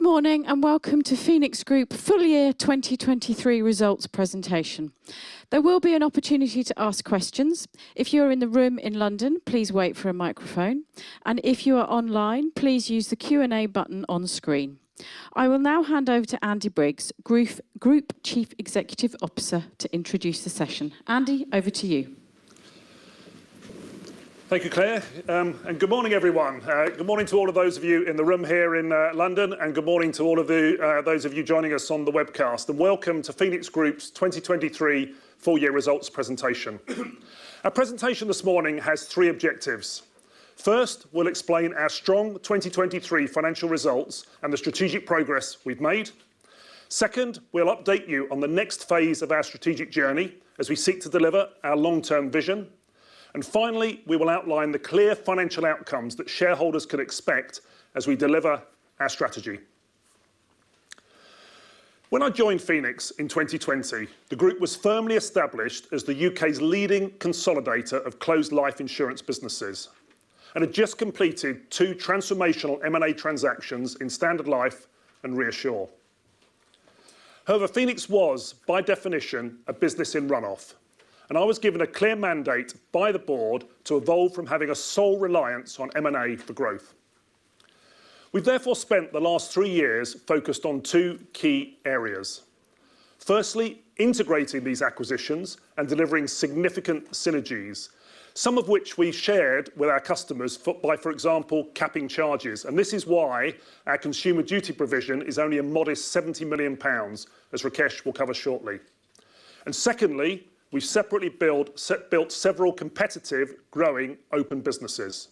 Good morning and welcome to Phoenix Group Full Year 2023 Results Presentation. There will be an opportunity to ask questions. If you are in the room in London, please wait for a microphone, and if you are online, please use the Q&A button on screen. I will now hand over to Andy Briggs, Group Chief Executive Officer, to introduce the session. Andy, over to you. Thank you, Claire, and good morning everyone. Good morning to all of those of you in the room here in London, and good morning to all of those of you joining us on the webcast, and welcome to Phoenix Group's 2023 Full Year Results Presentation. Our presentation this morning has three objectives. First, we'll explain our strong 2023 financial results and the strategic progress we've made. Second, we'll update you on the next phase of our strategic journey as we seek to deliver our long-term vision. And finally, we will outline the clear financial outcomes that shareholders can expect as we deliver our strategy. When I joined Phoenix in 2020, the group was firmly established as the U.K.'s leading consolidator of closed-life insurance businesses and had just completed two transformational M&A transactions in Standard Life and ReAssure. However, Phoenix was, by definition, a business in run-off, and I was given a clear mandate by the board to evolve from having a sole reliance on M&A for growth. We've therefore spent the last three years focused on two key areas. Firstly, integrating these acquisitions and delivering significant synergies, some of which we shared with our customers by, for example, capping charges, and this is why our Consumer Duty provision is only a modest 70 million pounds, as Rakesh will cover shortly. And secondly, we've separately built several competitive, growing, open businesses.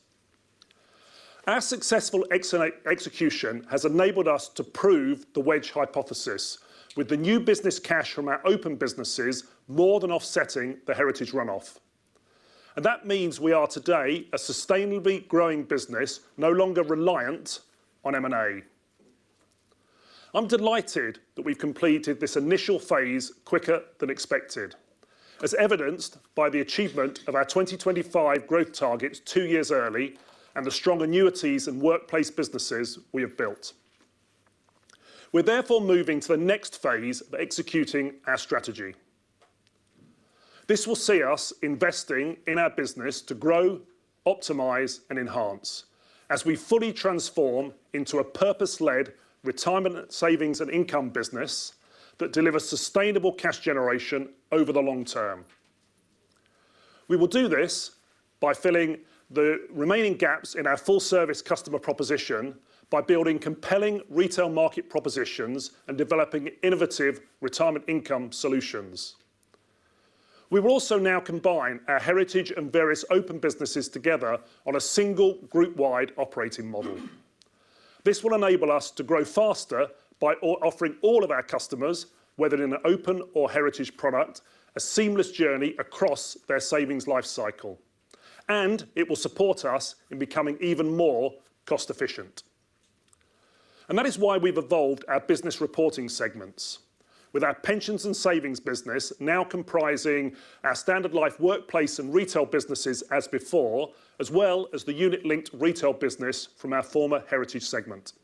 Our successful execution has enabled us to prove the Wedge Hypothesis, with the new business cash from our open businesses more than offsetting the heritage run-off. And that means we are today a sustainably growing business, no longer reliant on M&A. I'm delighted that we've completed this initial phase quicker than expected, as evidenced by the achievement of our 2025 growth targets two years early and the strong annuities and workplace businesses we have built. We're therefore moving to the next phase of executing our strategy. This will see us investing in our business to grow, optimize, and enhance as we fully transform into a purpose-led retirement savings and income business that delivers sustainable cash generation over the long term. We will do this by filling the remaining gaps in our full-service customer proposition by building compelling retail market propositions and developing innovative retirement income solutions. We will also now combine our heritage and various open businesses together on a single group-wide operating model. This will enable us to grow faster by offering all of our customers, whether in an open or heritage product, a seamless journey across their savings life cycle, and it will support us in becoming even more cost-efficient. That is why we've evolved our business reporting segments, with our Pensions and Savings business now comprising our Standard Life workplace and retail businesses as before, as well as the unit-linked retail business from our former heritage segment.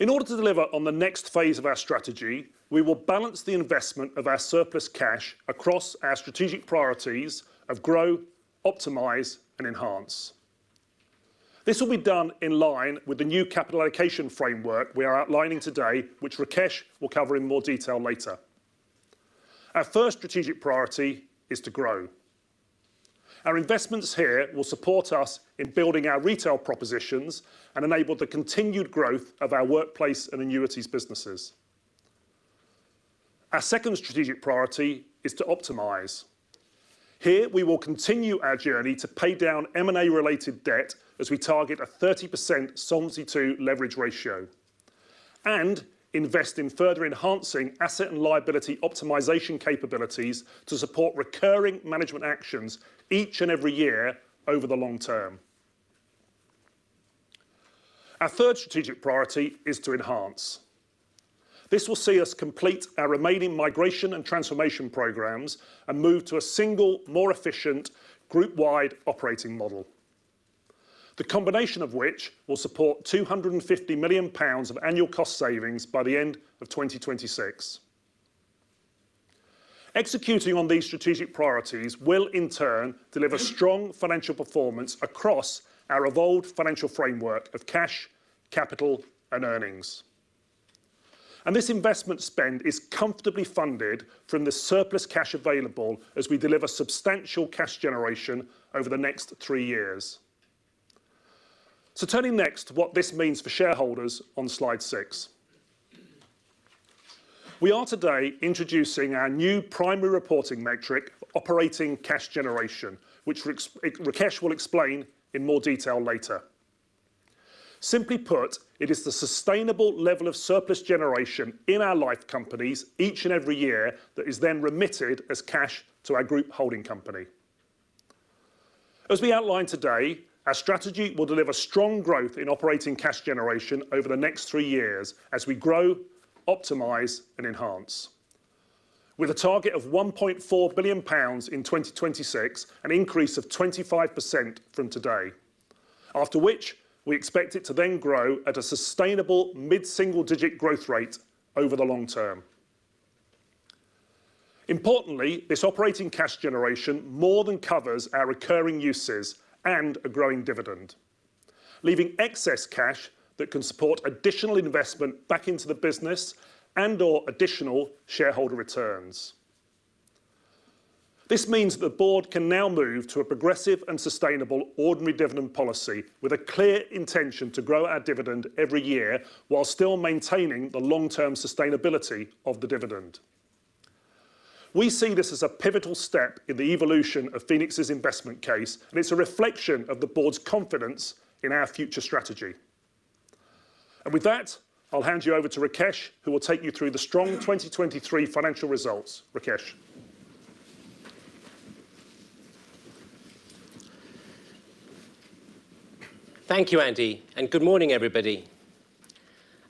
In order to deliver on the next phase of our strategy, we will balance the investment of our surplus cash across our strategic priorities of grow, optimize, and enhance. This will be done in line with the new capital allocation framework we are outlining today, which Rakesh will cover in more detail later. Our first strategic priority is to grow. Our investments here will support us in building our retail propositions and enable the continued growth of our workplace and annuities businesses. Our second strategic priority is to optimize. Here, we will continue our journey to pay down M&A-related debt as we target a 30% Solvency II leverage ratio, and invest in further enhancing asset and liability optimization capabilities to support recurring management actions each and every year over the long term. Our third strategic priority is to enhance. This will see us complete our remaining migration and transformation programs and move to a single, more efficient group-wide operating model, the combination of which will support 250 million pounds of annual cost savings by the end of 2026. Executing on these strategic priorities will, in turn, deliver strong financial performance across our evolved financial framework of cash, capital, and earnings. This investment spend is comfortably funded from the surplus cash available as we deliver substantial cash generation over the next three years. Turning next to what this means for shareholders on slide six. We are today introducing our new primary reporting metric, operating cash generation, which Rakesh will explain in more detail later. Simply put, it is the sustainable level of surplus generation in our life companies each and every year that is then remitted as cash to our group holding company. As we outline today, our strategy will deliver strong growth in operating cash generation over the next three years as we grow, optimize, and enhance, with a target of 1.4 billion pounds in 2026, an increase of 25% from today, after which we expect it to then grow at a sustainable mid-single-digit growth rate over the long term. Importantly, this operating cash generation more than covers our recurring uses and a growing dividend, leaving excess cash that can support additional investment back into the business and/or additional shareholder returns. This means that the board can now move to a progressive and sustainable ordinary dividend policy with a clear intention to grow our dividend every year while still maintaining the long-term sustainability of the dividend. We see this as a pivotal step in the evolution of Phoenix's investment case, and it's a reflection of the board's confidence in our future strategy. And with that, I'll hand you over to Rakesh, who will take you through the strong 2023 financial results. Rakesh. Thank you, Andy, and good morning, everybody.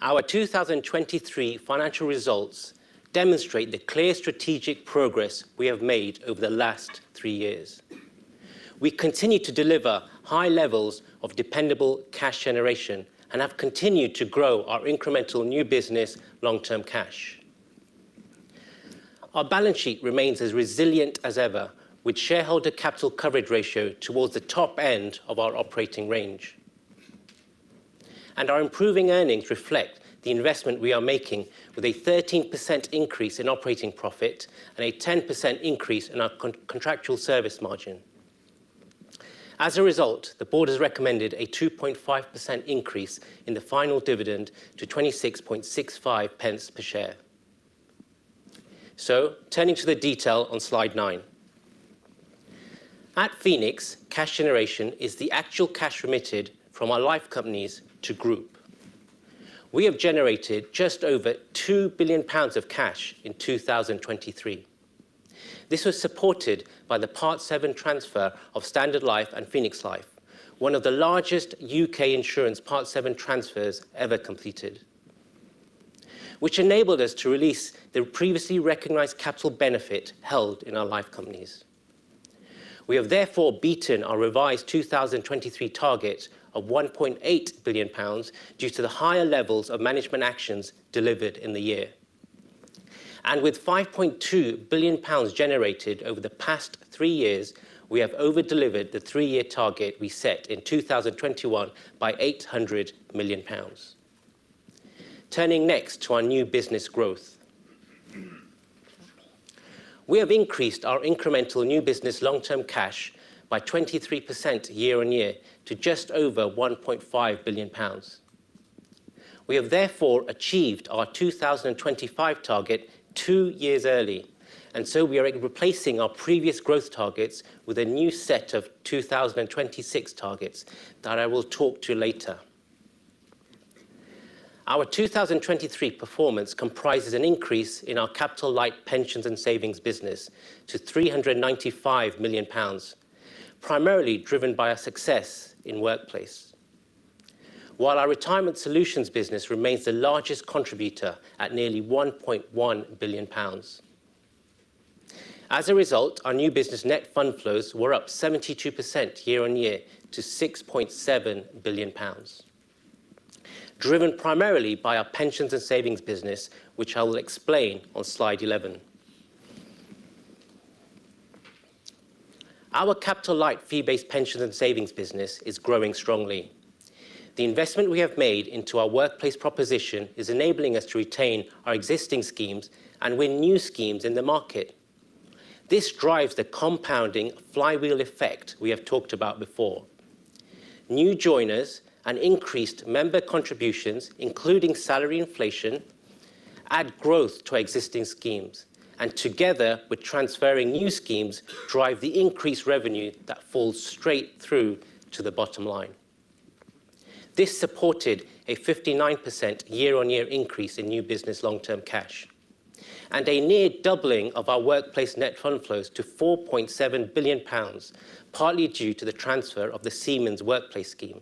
Our 2023 financial results demonstrate the clear strategic progress we have made over the last three years. We continue to deliver high levels of dependable cash generation and have continued to grow our incremental new business long-term cash. Our balance sheet remains as resilient as ever, with shareholder capital coverage ratio towards the top end of our operating range. Our improving earnings reflect the investment we are making, with a 13% increase in operating profit and a 10% increase in our contractual service margin. As a result, the board has recommended a 2.5% increase in the final dividend to 0.2665 per share. Turning to the detail on slide nine. At Phoenix, cash generation is the actual cash remitted from our life companies to group. We have generated just over 2 billion pounds of cash in 2023. This was supported by the Part VII transfer of Standard Life and Phoenix Life, one of the largest U.K. insurance Part VII transfers ever completed, which enabled us to release the previously recognized capital benefit held in our life companies. We have therefore beaten our revised 2023 target of 1.8 billion pounds due to the higher levels of management actions delivered in the year. With 5.2 billion pounds generated over the past three years, we have overdelivered the three-year target we set in 2021 by 800 million pounds. Turning next to our new business growth. We have increased our incremental new business long-term cash by 23% year-on-year to just over 1.5 billion pounds. We have therefore achieved our 2025 target two years early, and so we are replacing our previous growth targets with a new set of 2026 targets that I will talk to later. Our 2023 performance comprises an increase in our capital light Pensions and Savings business to 395 million pounds, primarily driven by our success in workplace, while our Retirement Solutions business remains the largest contributor at nearly 1.1 billion pounds. As a result, our new business net fund flows were up 72% year-on-year to 6.7 billion pounds, driven primarily by our Pensions and Savingsgs business, which I will explain on slide 11. Our capital light fee-based Pensions and Savings business is growing strongly. The investment we have made into our workplace proposition is enabling us to retain our existing schemes and win new schemes in the market. This drives the compounding flywheel effect we have talked about before. New joiners and increased member contributions, including salary inflation, add growth to existing schemes, and together with transferring new schemes, drive the increased revenue that falls straight through to the bottom line. This supported a 59% year-on-year increase in new business long-term cash and a near doubling of our workplace net fund flows to 4.7 billion pounds, partly due to the transfer of the Siemens workplace scheme.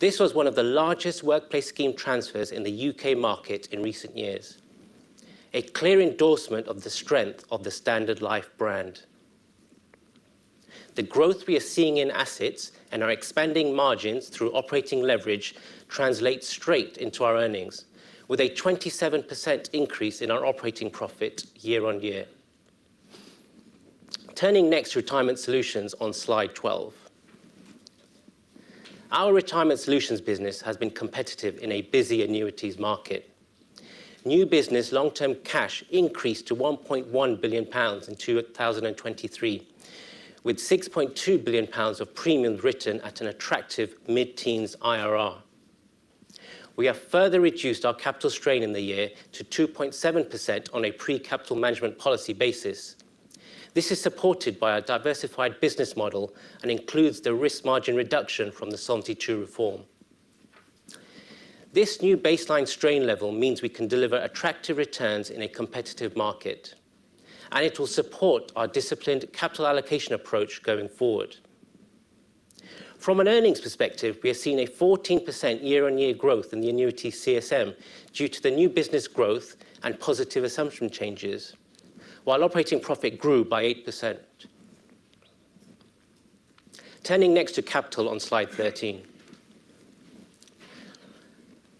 This was one of the largest workplace scheme transfers in the U.K. market in recent years, a clear endorsement of the strength of the Standard Life brand. The growth we are seeing in assets and our expanding margins through operating leverage translates straight into our earnings, with a 27% increase in our operating profit year-on-year. Turning next to Retirement Solutions on slide 12. Our Retirement Solutions business has been competitive in a busy annuities market. New business long-term cash increased to 1.1 billion pounds in 2023, with 6.2 billion pounds of premiums written at an attractive mid-teens IRR. We have further reduced our capital strain in the year to 2.7% on a pre-capital management policy basis. This is supported by our diversified business model and includes the risk margin reduction from the Solvency II reform. This new baseline strain level means we can deliver attractive returns in a competitive market, and it will support our disciplined capital allocation approach going forward. From an earnings perspective, we have seen a 14% year-on-year growth in the annuity CSM due to the new business growth and positive assumption changes, while operating profit grew by 8%. Turning next to capital on slide 13.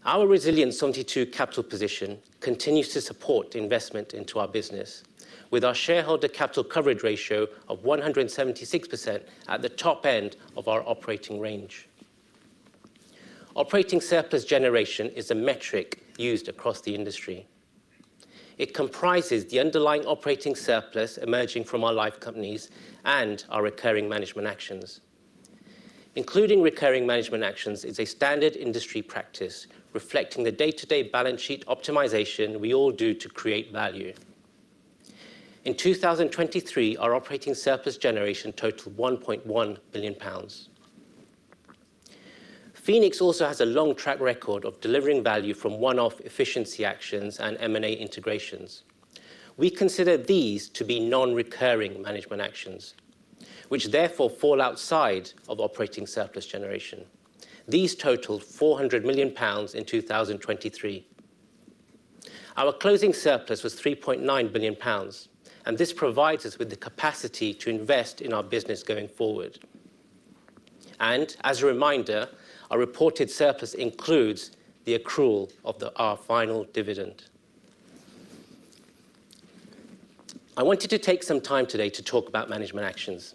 Our resilient Solvency II capital position continues to support investment into our business, with our shareholder capital coverage ratio of 176% at the top end of our operating range. Operating surplus generation is a metric used across the industry. It comprises the underlying operating surplus emerging from our life companies and our recurring management actions. Including recurring management actions is a standard industry practice, reflecting the day-to-day balance sheet optimization we all do to create value. In 2023, our operating surplus generation totaled GBP 1.1 billion. Phoenix also has a long track record of delivering value from one-off efficiency actions and M&A integrations. We consider these to be non-recurring management actions, which therefore fall outside of operating surplus generation. These totaled 400 million pounds in 2023. Our closing surplus was 3.9 billion pounds, and this provides us with the capacity to invest in our business going forward. And as a reminder, our reported surplus includes the accrual of our final dividend. I wanted to take some time today to talk about management actions.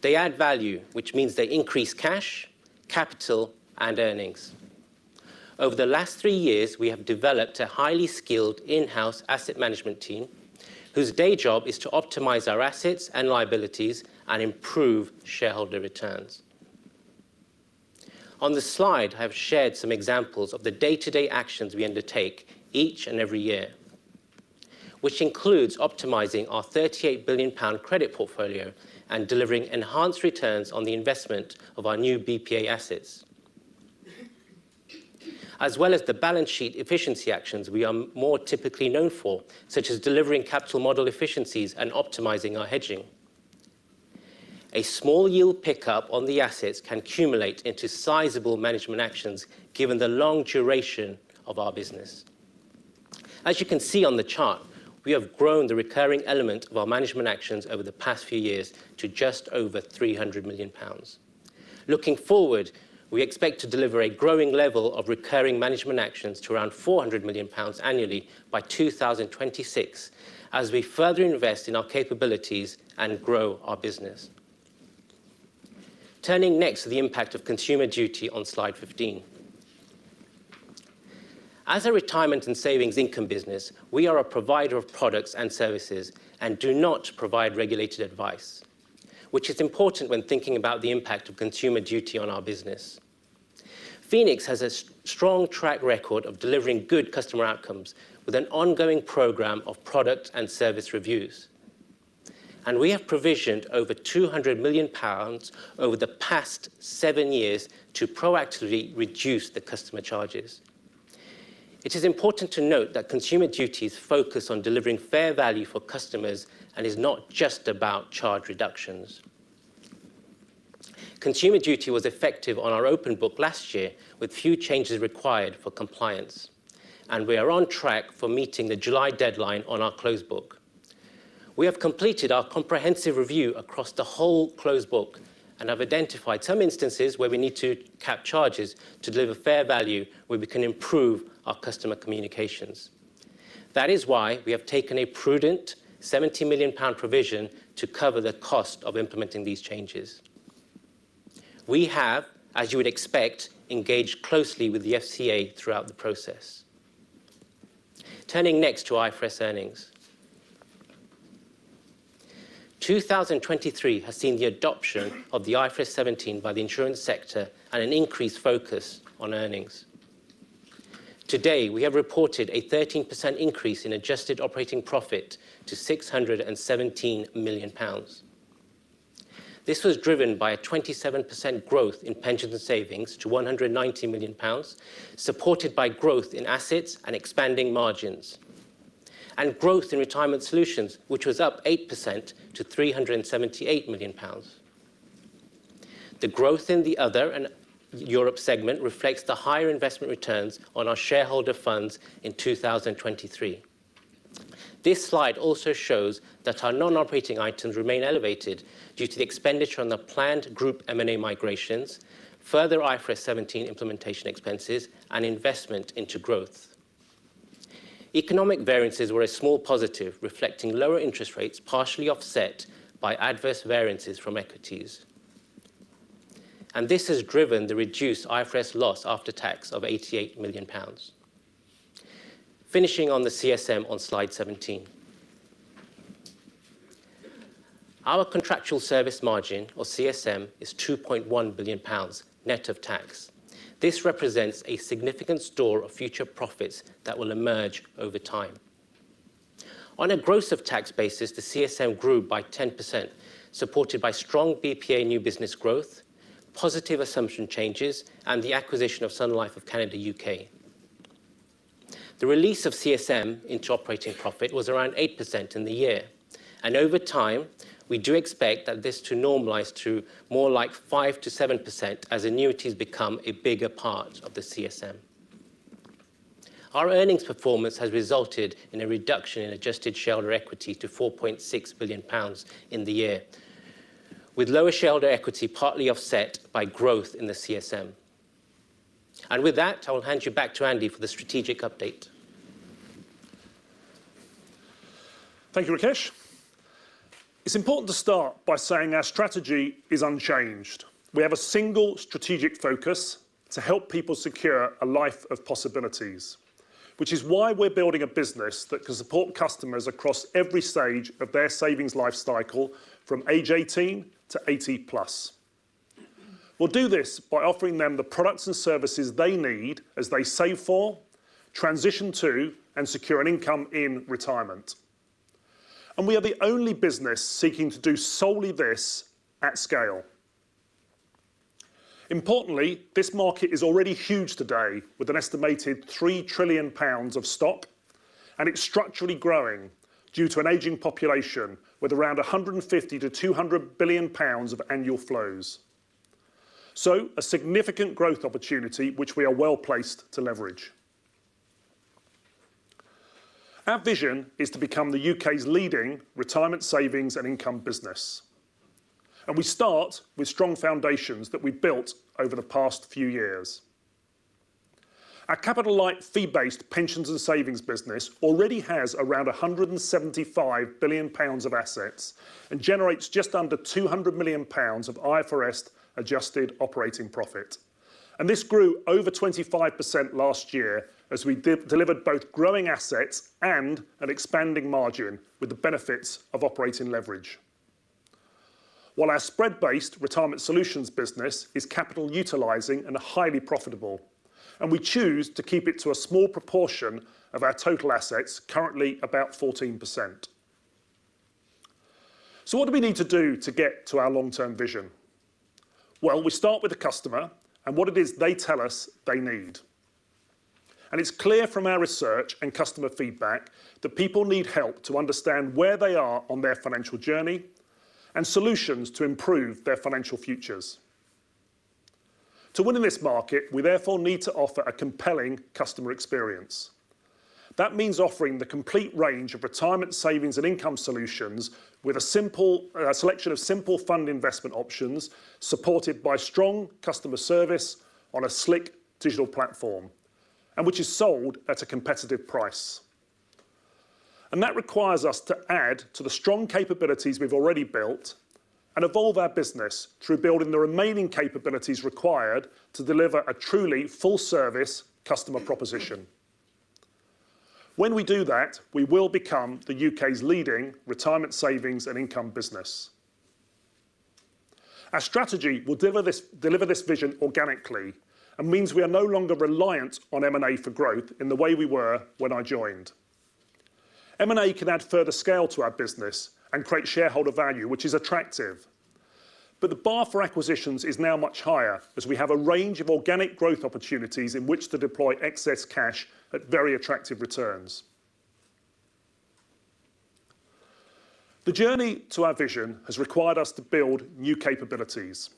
They add value, which means they increase cash, capital, and earnings. Over the last three years, we have developed a highly skilled in-house asset management team whose day job is to optimize our assets and liabilities and improve shareholder returns. On the slide, I have shared some examples of the day-to-day actions we undertake each and every year, which includes optimizing our 38 billion pound credit portfolio and delivering enhanced returns on the investment of our new BPA assets, as well as the balance sheet efficiency actions we are more typically known for, such as delivering capital model efficiencies and optimizing our hedging. A small yield pickup on the assets can accumulate into sizable management actions given the long duration of our business. As you can see on the chart, we have grown the recurring element of our management actions over the past few years to just over 300 million pounds. Looking forward, we expect to deliver a growing level of recurring management actions to around 400 million pounds annually by 2026 as we further invest in our capabilities and grow our business. Turning next to the impact of Consumer Duty on slide 15. As a retirement and savings income business, we are a provider of products and services and do not provide regulated advice, which is important when thinking about the impact of Consumer Duty on our business. Phoenix has a strong track record of delivering good customer outcomes with an ongoing program of product and service reviews, and we have provisioned over 200 million pounds over the past seven years to proactively reduce the customer charges. It is important to note that Consumer Duty's focus on delivering fair value for customers and is not just about charge reductions. Consumer Duty was effective on our open book last year with few changes required for compliance, and we are on track for meeting the July deadline on our closed book. We have completed our comprehensive review across the whole closed book and have identified some instances where we need to cap charges to deliver fair value where we can improve our customer communications. That is why we have taken a prudent 70 million pound provision to cover the cost of implementing these changes. We have, as you would expect, engaged closely with the FCA throughout the process. Turning next to IFRS earnings. 2023 has seen the adoption of the IFRS 17 by the insurance sector and an increased focus on earnings. Today, we have reported a 13% increase in adjusted operating profit to 617 million pounds. This was driven by a 27% growth in Pensions and Savings to 190 million pounds, supported by growth in assets and expanding margins, and growth in Retirement Solutions, which was up 8% to 378 million pounds. The growth in the Other and Europe segment reflects the higher investment returns on our shareholder funds in 2023. This slide also shows that our non-operating items remain elevated due to the expenditure on the planned group M&A migrations, further IFRS 17 implementation expenses, and investment into growth. Economic variances were a small positive, reflecting lower interest rates partially offset by adverse variances from equities, and this has driven the reduced IFRS loss after tax of 88 million pounds. Finishing on the CSM on slide 17. Our contractual service margin, or CSM, is 2.1 billion pounds net of tax. This represents a significant store of future profits that will emerge over time. On a gross-of-tax basis, the CSM grew by 10%, supported by strong BPA new business growth, positive assumption changes, and the acquisition of Sun Life of Canada U.K. The release of CSM into operating profit was around 8% in the year, and over time, we do expect that this to normalize to more like 5%-7% as annuities become a bigger part of the CSM. Our earnings performance has resulted in a reduction in adjusted shareholder equity to 4.6 billion pounds in the year, with lower shareholder equity partly offset by growth in the CSM. With that, I will hand you back to Andy for the strategic update. Thank you, Rakesh. It's important to start by saying our strategy is unchanged. We have a single strategic focus to help people secure a life of possibilities, which is why we're building a business that can support customers across every stage of their savings life cycle from age 18 to 80+. We'll do this by offering them the products and services they need as they save for, transition to, and secure an income in retirement. And we are the only business seeking to do solely this at scale. Importantly, this market is already huge today with an estimated 3 trillion pounds of stock, and it's structurally growing due to an aging population with around 150 billion-200 billion pounds of annual flows. A significant growth opportunity which we are well placed to leverage. Our vision is to become the U.K.'s leading retirement savings and income business, and we start with strong foundations that we've built over the past few years. Our capital light fee-based Pensions and Savings business already has around 175 billion pounds of assets and generates just under 200 million pounds of IFRS adjusted operating profit. This grew over 25% last year as we delivered both growing assets and an expanding margin with the benefits of operating leverage. While our spread-based Retirement Solutions business is capital utilizing and highly profitable, we choose to keep it to a small proportion of our total assets, currently about 14%. What do we need to do to get to our long-term vision? Well, we start with the customer and what it is they tell us they need. It's clear from our research and customer feedback that people need help to understand where they are on their financial journey and solutions to improve their financial futures. To win in this market, we therefore need to offer a compelling customer experience. That means offering the complete range of retirement savings and income solutions with a selection of simple fund investment options supported by strong customer service on a slick digital platform, and which is sold at a competitive price. That requires us to add to the strong capabilities we've already built and evolve our business through building the remaining capabilities required to deliver a truly full-service customer proposition. When we do that, we will become the U.K.'s leading retirement savings and income business. Our strategy will deliver this vision organically and means we are no longer reliant on M&A for growth in the way we were when I joined. M&A can add further scale to our business and create shareholder value, which is attractive. The bar for acquisitions is now much higher as we have a range of organic growth opportunities in which to deploy excess cash at very attractive returns. The journey to our vision has required us to build new capabilities.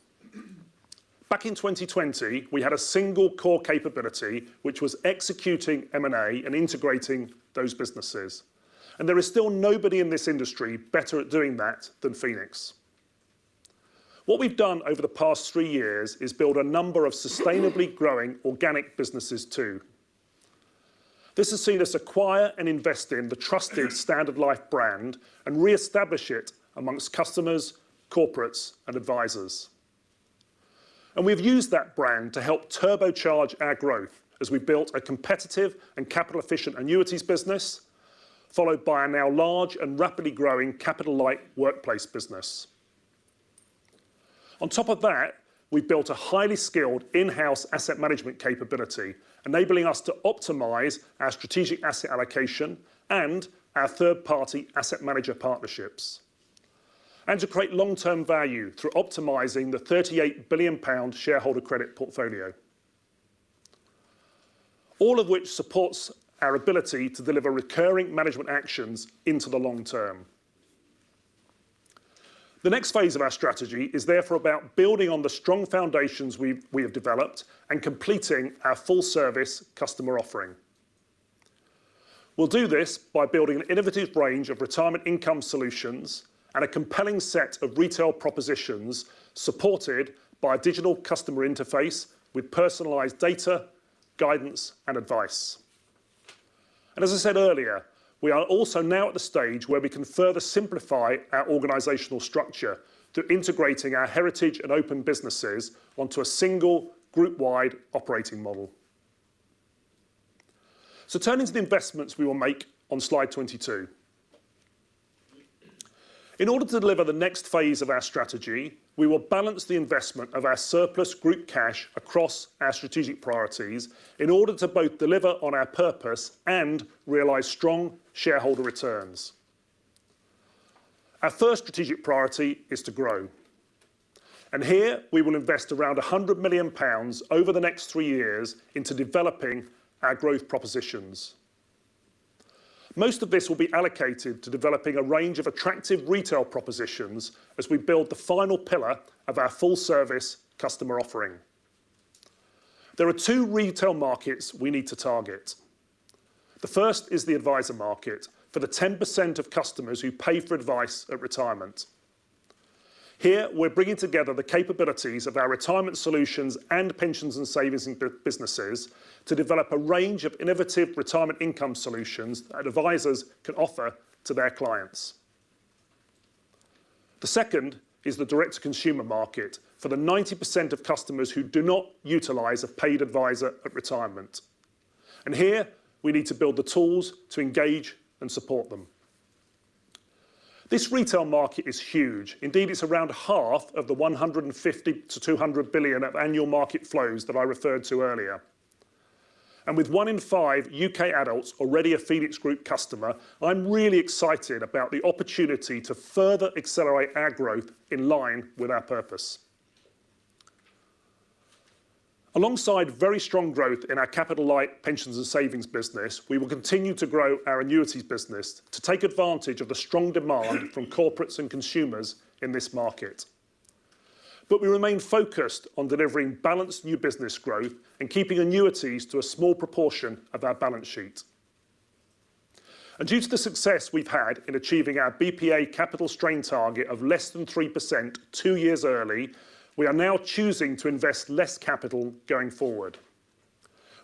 Back in 2020, we had a single core capability which was executing M&A and integrating those businesses. There is still nobody in this industry better at doing that than Phoenix. What we've done over the past three years is build a number of sustainably growing organic businesses too. This has seen us acquire and invest in the trusted Standard Life brand and re-establish it amongst customers, corporates, and advisers. We've used that brand to help turbocharge our growth as we built a competitive and capital-efficient annuities business, followed by a now large and rapidly growing capital light workplace business. On top of that, we've built a highly skilled in-house asset management capability, enabling us to optimize our strategic asset allocation and our third-party asset manager partnerships, and to create long-term value through optimizing the 38 billion pound shareholder credit portfolio, all of which supports our ability to deliver recurring management actions into the long term. The next phase of our strategy is therefore about building on the strong foundations we have developed and completing our full-service customer offering. We'll do this by building an innovative range of retirement income solutions and a compelling set of retail propositions supported by a digital customer interface with personalized data, guidance, and advice. And as I said earlier, we are also now at the stage where we can further simplify our organizational structure through integrating our heritage and open businesses onto a single group-wide operating model. So, turning to the investments we will make on slide 22. In order to deliver the next phase of our strategy, we will balance the investment of our surplus group cash across our strategic priorities in order to both deliver on our purpose and realize strong shareholder returns. Our first strategic priority is to grow. And here, we will invest around 100 million pounds over the next three years into developing our growth propositions. Most of this will be allocated to developing a range of attractive retail propositions as we build the final pillar of our full-service customer offering. There are two retail markets we need to target. The first is the adviser market for the 10% of customers who pay for advice at retirement. Here, we're bringing together the capabilities of our Retirement Solutions and Pensions and Savings businesses to develop a range of innovative retirement income solutions that advisers can offer to their clients. The second is the direct-to-consumer market for the 90% of customers who do not utilize a paid adviser at retirement. And here, we need to build the tools to engage and support them. This retail market is huge. Indeed, it's around half of the 150 billion-200 billion of annual market flows that I referred to earlier. With one in five U.K. adults already a Phoenix Group customer, I'm really excited about the opportunity to further accelerate our growth in line with our purpose. Alongside very strong growth in our capital light Pensions and Savings business, we will continue to grow our annuities business to take advantage of the strong demand from corporates and consumers in this market. But we remain focused on delivering balanced new business growth and keeping annuities to a small proportion of our balance sheet. Due to the success we've had in achieving our BPA capital strain target of less than 3% two years early, we are now choosing to invest less capital going forward,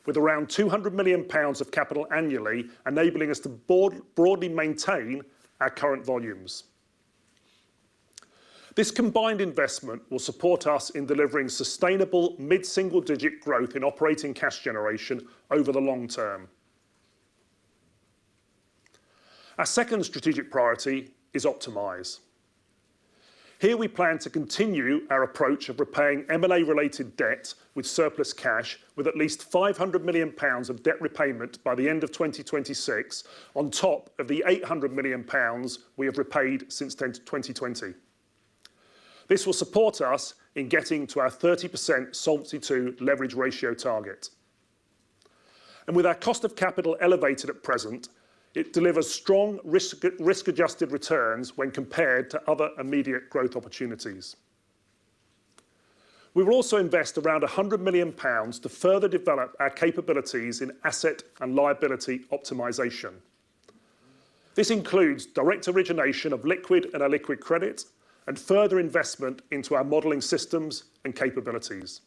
with around 200 million pounds of capital annually enabling us to broadly maintain our current volumes. This combined investment will support us in delivering sustainable mid-single-digit growth in operating cash generation over the long term. Our second strategic priority is optimize. Here, we plan to continue our approach of repaying M&A-related debt with surplus cash with at least 500 million pounds of debt repayment by the end of 2026, on top of the 800 million pounds we have repaid since 2020. This will support us in getting to our 30% Solvency II leverage ratio target. And with our cost of capital elevated at present, it delivers strong risk-adjusted returns when compared to other immediate growth opportunities. We will also invest around 100 million pounds to further develop our capabilities in asset and liability optimization. This includes direct origination of liquid and illiquid credit and further investment into our modeling systems and capabilities.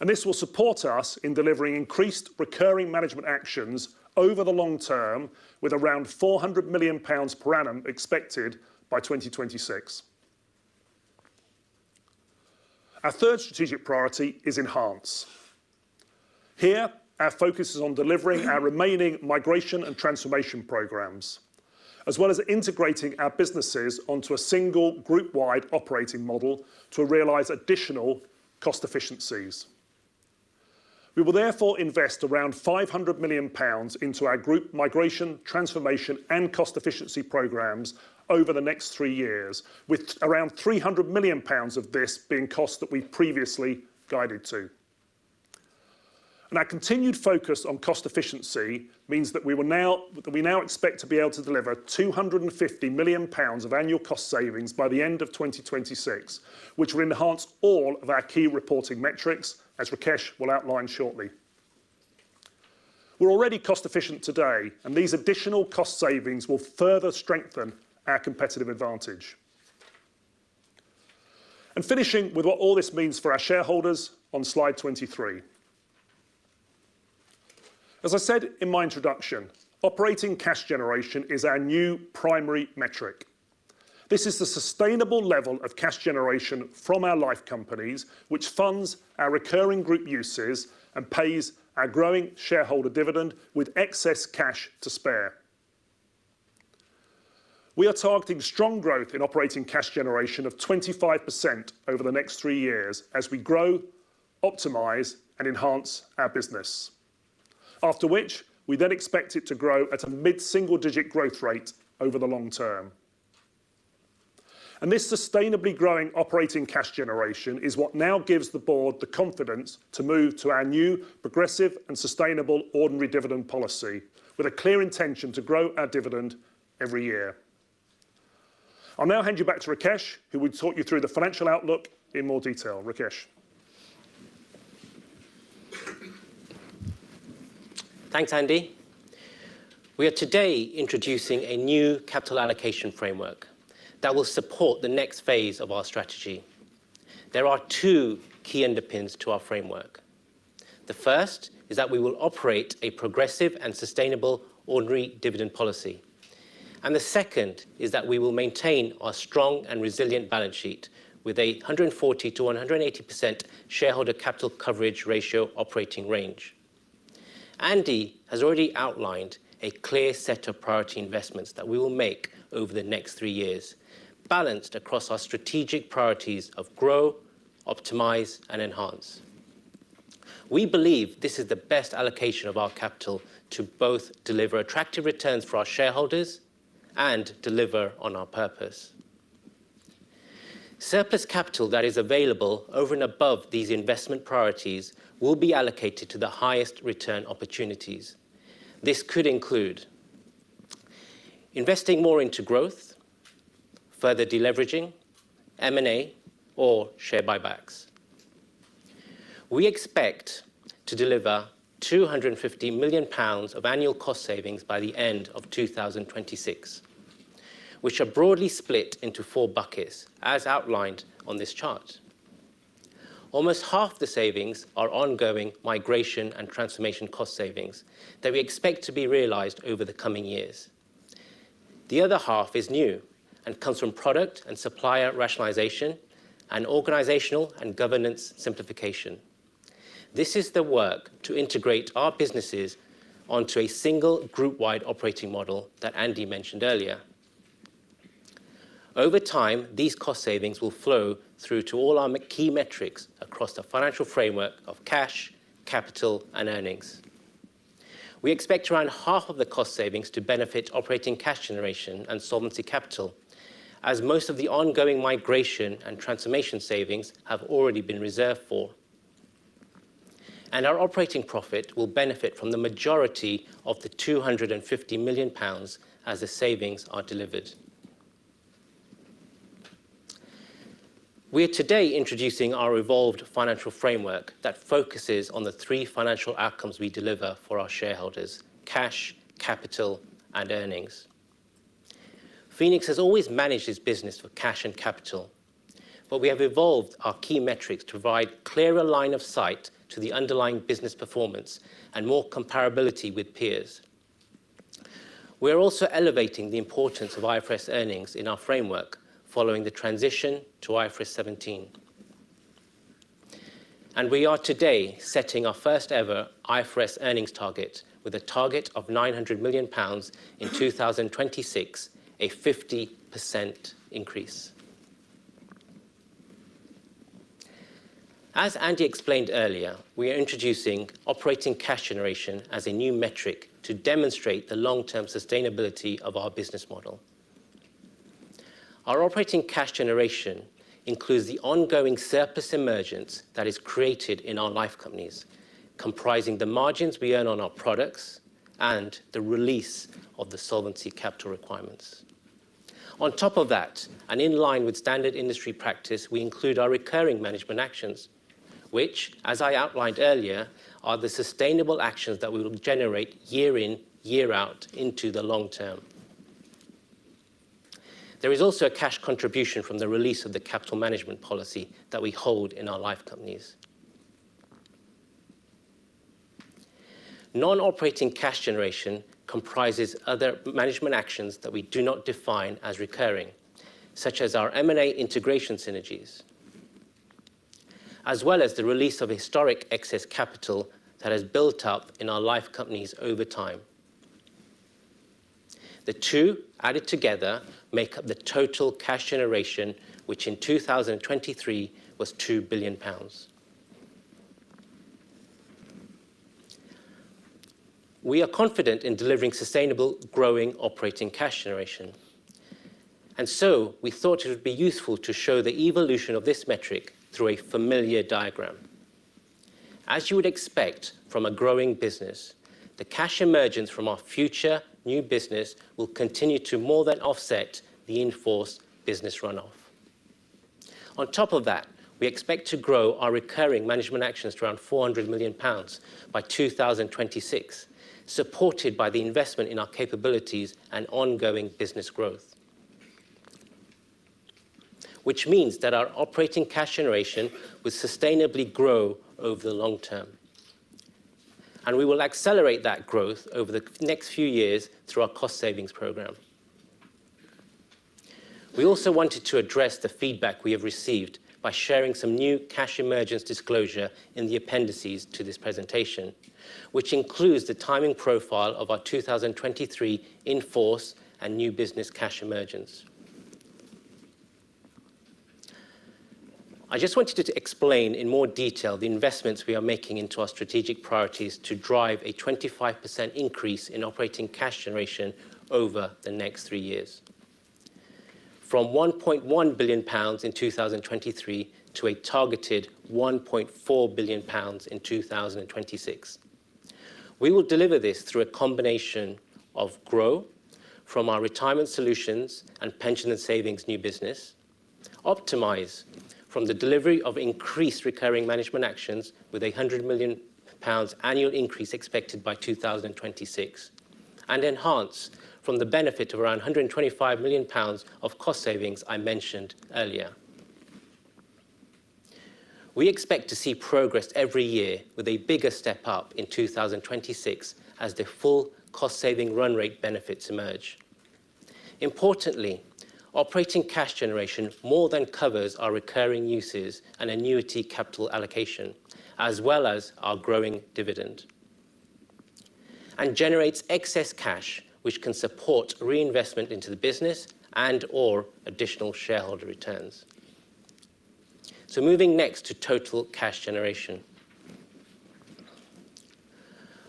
And this will support us in delivering increased recurring management actions over the long term with around 400 million pounds per annum expected by 2026. Our third strategic priority is enhance. Here, our focus is on delivering our remaining migration and transformation programs, as well as integrating our businesses onto a single group-wide operating model to realize additional cost efficiencies. We will therefore invest around 500 million pounds into our group migration, transformation, and cost efficiency programs over the next three years, with around 300 million pounds of this being costs that we've previously guided to. Our continued focus on cost efficiency means that we now expect to be able to deliver 250 million pounds of annual cost savings by the end of 2026, which will enhance all of our key reporting metrics, as Rakesh will outline shortly. We're already cost-efficient today, and these additional cost savings will further strengthen our competitive advantage. Finishing with what all this means for our shareholders on slide 23. As I said in my introduction, operating cash generation is our new primary metric. This is the sustainable level of cash generation from our life companies, which funds our recurring group uses and pays our growing shareholder dividend with excess cash to spare. We are targeting strong growth in operating cash generation of 25% over the next three years as we grow, optimize, and enhance our business, after which we then expect it to grow at a mid-single-digit growth rate over the long term. This sustainably growing operating cash generation is what now gives the board the confidence to move to our new progressive and sustainable ordinary dividend policy, with a clear intention to grow our dividend every year. I'll now hand you back to Rakesh, who will talk you through the financial outlook in more detail. Rakesh. Thanks, Andy. We are today introducing a new capital allocation framework that will support the next phase of our strategy. There are two key underpins to our framework. The first is that we will operate a progressive and sustainable ordinary dividend policy. The second is that we will maintain our strong and resilient balance sheet with a 140%-180% shareholder capital coverage ratio operating range. Andy has already outlined a clear set of priority investments that we will make over the next three years, balanced across our strategic priorities of grow, optimize, and enhance. We believe this is the best allocation of our capital to both deliver attractive returns for our shareholders and deliver on our purpose. Surplus capital that is available over and above these investment priorities will be allocated to the highest return opportunities. This could include investing more into growth, further deleveraging, M&A, or share buybacks. We expect to deliver 250 million pounds of annual cost savings by the end of 2026, which are broadly split into four buckets, as outlined on this chart. Almost half the savings are ongoing migration and transformation cost savings that we expect to be realized over the coming years. The other half is new and comes from product and supplier rationalization and organizational and governance simplification. This is the work to integrate our businesses onto a single group-wide operating model that Andy mentioned earlier. Over time, these cost savings will flow through to all our key metrics across the financial framework of cash, capital, and earnings. We expect around half of the cost savings to benefit operating cash generation and solvency capital, as most of the ongoing migration and transformation savings have already been reserved for. Our operating profit will benefit from the majority of the 250 million pounds as the savings are delivered. We are today introducing our evolved financial framework that focuses on the three financial outcomes we deliver for our shareholders: cash, capital, and earnings. Phoenix has always managed its business for cash and capital, but we have evolved our key metrics to provide clearer line of sight to the underlying business performance and more comparability with peers. We are also elevating the importance of IFRS earnings in our framework following the transition to IFRS 17. We are today setting our first-ever IFRS earnings target with a target of 900 million pounds in 2026, a 50% increase. As Andy explained earlier, we are introducing operating cash generation as a new metric to demonstrate the long-term sustainability of our business model. Our operating cash generation includes the ongoing surplus emergence that is created in our life companies, comprising the margins we earn on our products and the release of the solvency capital requirements. On top of that, and in line with standard industry practice, we include our recurring management actions, which, as I outlined earlier, are the sustainable actions that we will generate year in, year out into the long term. There is also a cash contribution from the release of the capital management policy that we hold in our life companies. Non-operating cash generation comprises other management actions that we do not define as recurring, such as our M&A integration synergies, as well as the release of historic excess capital that has built up in our life companies over time. The two, added together, make up the total cash generation, which in 2023 was GBP 2 billion. We are confident in delivering sustainable, growing operating cash generation. And so, we thought it would be useful to show the evolution of this metric through a familiar diagram. As you would expect from a growing business, the cash emergence from our future new business will continue to more than offset the heritage business runoff. On top of that, we expect to grow our recurring management actions to around 400 million pounds by 2026, supported by the investment in our capabilities and ongoing business growth, which means that our operating cash generation will sustainably grow over the long term. And we will accelerate that growth over the next few years through our cost savings program. We also wanted to address the feedback we have received by sharing some new cash emergence disclosure in the appendices to this presentation, which includes the timing profile of our 2023 enforced and new business cash emergence. I just wanted to explain in more detail the investments we are making into our strategic priorities to drive a 25% increase in operating cash generation over the next three years, from 1.1 billion pounds in 2023 to a targeted 1.4 billion pounds in 2026. We will deliver this through a combination of grow from our Retirement Solutions and Pensions and Savings new business, optimize from the delivery of increased recurring management actions with a 100 million pounds annual increase expected by 2026, and enhance from the benefit of around 125 million pounds of cost savings I mentioned earlier. We expect to see progress every year with a bigger step up in 2026 as the full cost saving run rate benefits emerge. Importantly, operating cash generation more than covers our recurring uses and annuity capital allocation, as well as our growing dividend, and generates excess cash which can support reinvestment into the business and/or additional shareholder returns. Moving next to total cash generation.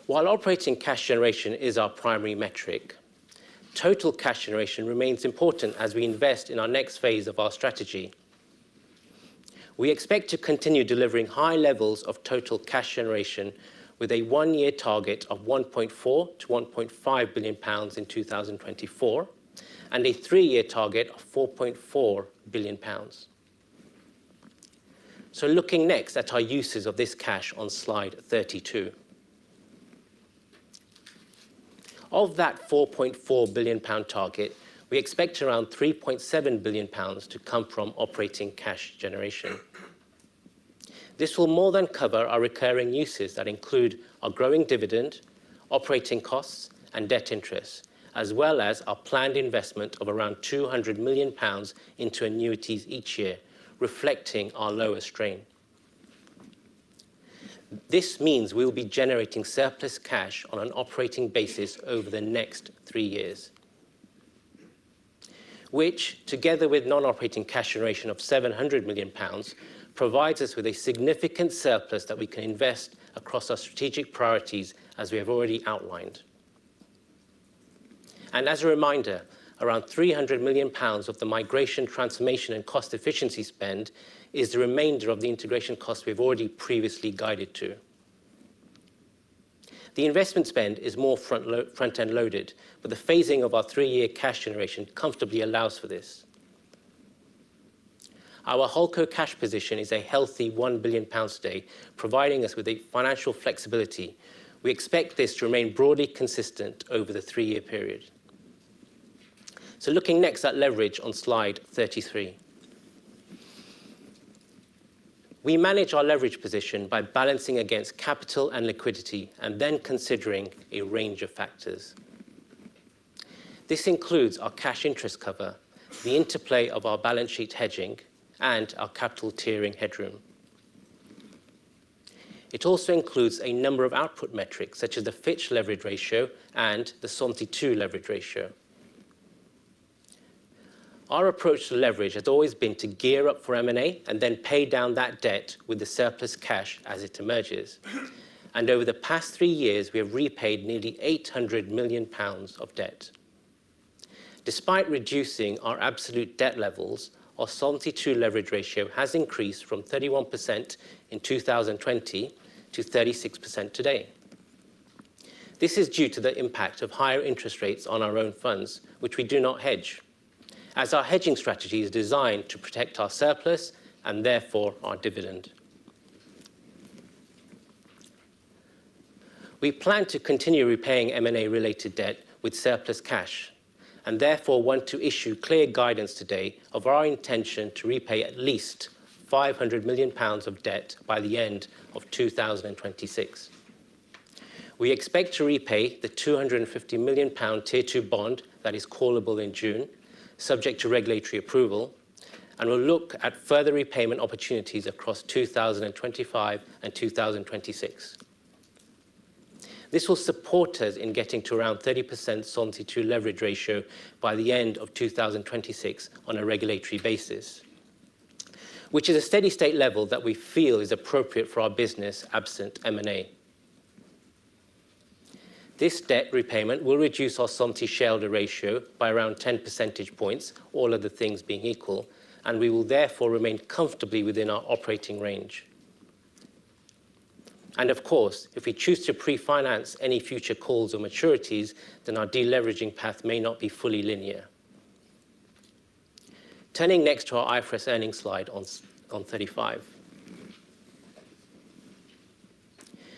While operating cash generation is our primary metric, total cash generation remains important as we invest in our next phase of our strategy. We expect to continue delivering high levels of total cash generation with a one-year target of 1.4 billion-1.5 billion pounds in 2024, and a three-year target of 4.4 billion pounds. Looking next at our uses of this cash on slide 32. Of that 4.4 billion pound target, we expect around 3.7 billion pounds to come from operating cash generation. This will more than cover our recurring uses that include our growing dividend, operating costs, and debt interest, as well as our planned investment of around 200 million pounds into annuities each year, reflecting our lower strain. This means we will be generating surplus cash on an operating basis over the next three years, which, together with non-operating cash generation of 700 million pounds, provides us with a significant surplus that we can invest across our strategic priorities, as we have already outlined. As a reminder, around 300 million pounds of the migration, transformation, and cost efficiency spend is the remainder of the integration costs we have already previously guided to. The investment spend is more front-end loaded, but the phasing of our three-year cash generation comfortably allows for this. Our group cash position is a healthy 1 billion pounds today, providing us with financial flexibility. We expect this to remain broadly consistent over the three-year period. Looking next at leverage on slide 33. We manage our leverage position by balancing against capital and liquidity, and then considering a range of factors. This includes our cash interest cover, the interplay of our balance sheet hedging, and our capital tiering headroom. It also includes a number of output metrics, such as the Fitch leverage ratio and the Solvency II leverage ratio. Our approach to leverage has always been to gear up for M&A and then pay down that debt with the surplus cash as it emerges. Over the past three years, we have repaid nearly 800 million pounds of debt. Despite reducing our absolute debt levels, our Solvency II leverage ratio has increased from 31% in 2020 to 36% today. This is due to the impact of higher interest rates on our own funds, which we do not hedge, as our hedging strategy is designed to protect our surplus and therefore our dividend. We plan to continue repaying M&A-related debt with surplus cash, and therefore want to issue clear guidance today of our intention to repay at least 500 million pounds of debt by the end of 2026. We expect to repay the 250 million pound Tier 2 bond that is callable in June, subject to regulatory approval, and will look at further repayment opportunities across 2025 and 2026. This will support us in getting to around 30% Solvency II leverage ratio by the end of 2026 on a regulatory basis, which is a steady state level that we feel is appropriate for our business absent M&A. This debt repayment will reduce our Solvency shareholder ratio by around 10 percentage points, all other things being equal, and we will therefore remain comfortably within our operating range. And of course, if we choose to pre-finance any future calls or maturities, then our deleveraging path may not be fully linear. Turning next to our IFRS earnings slide 35.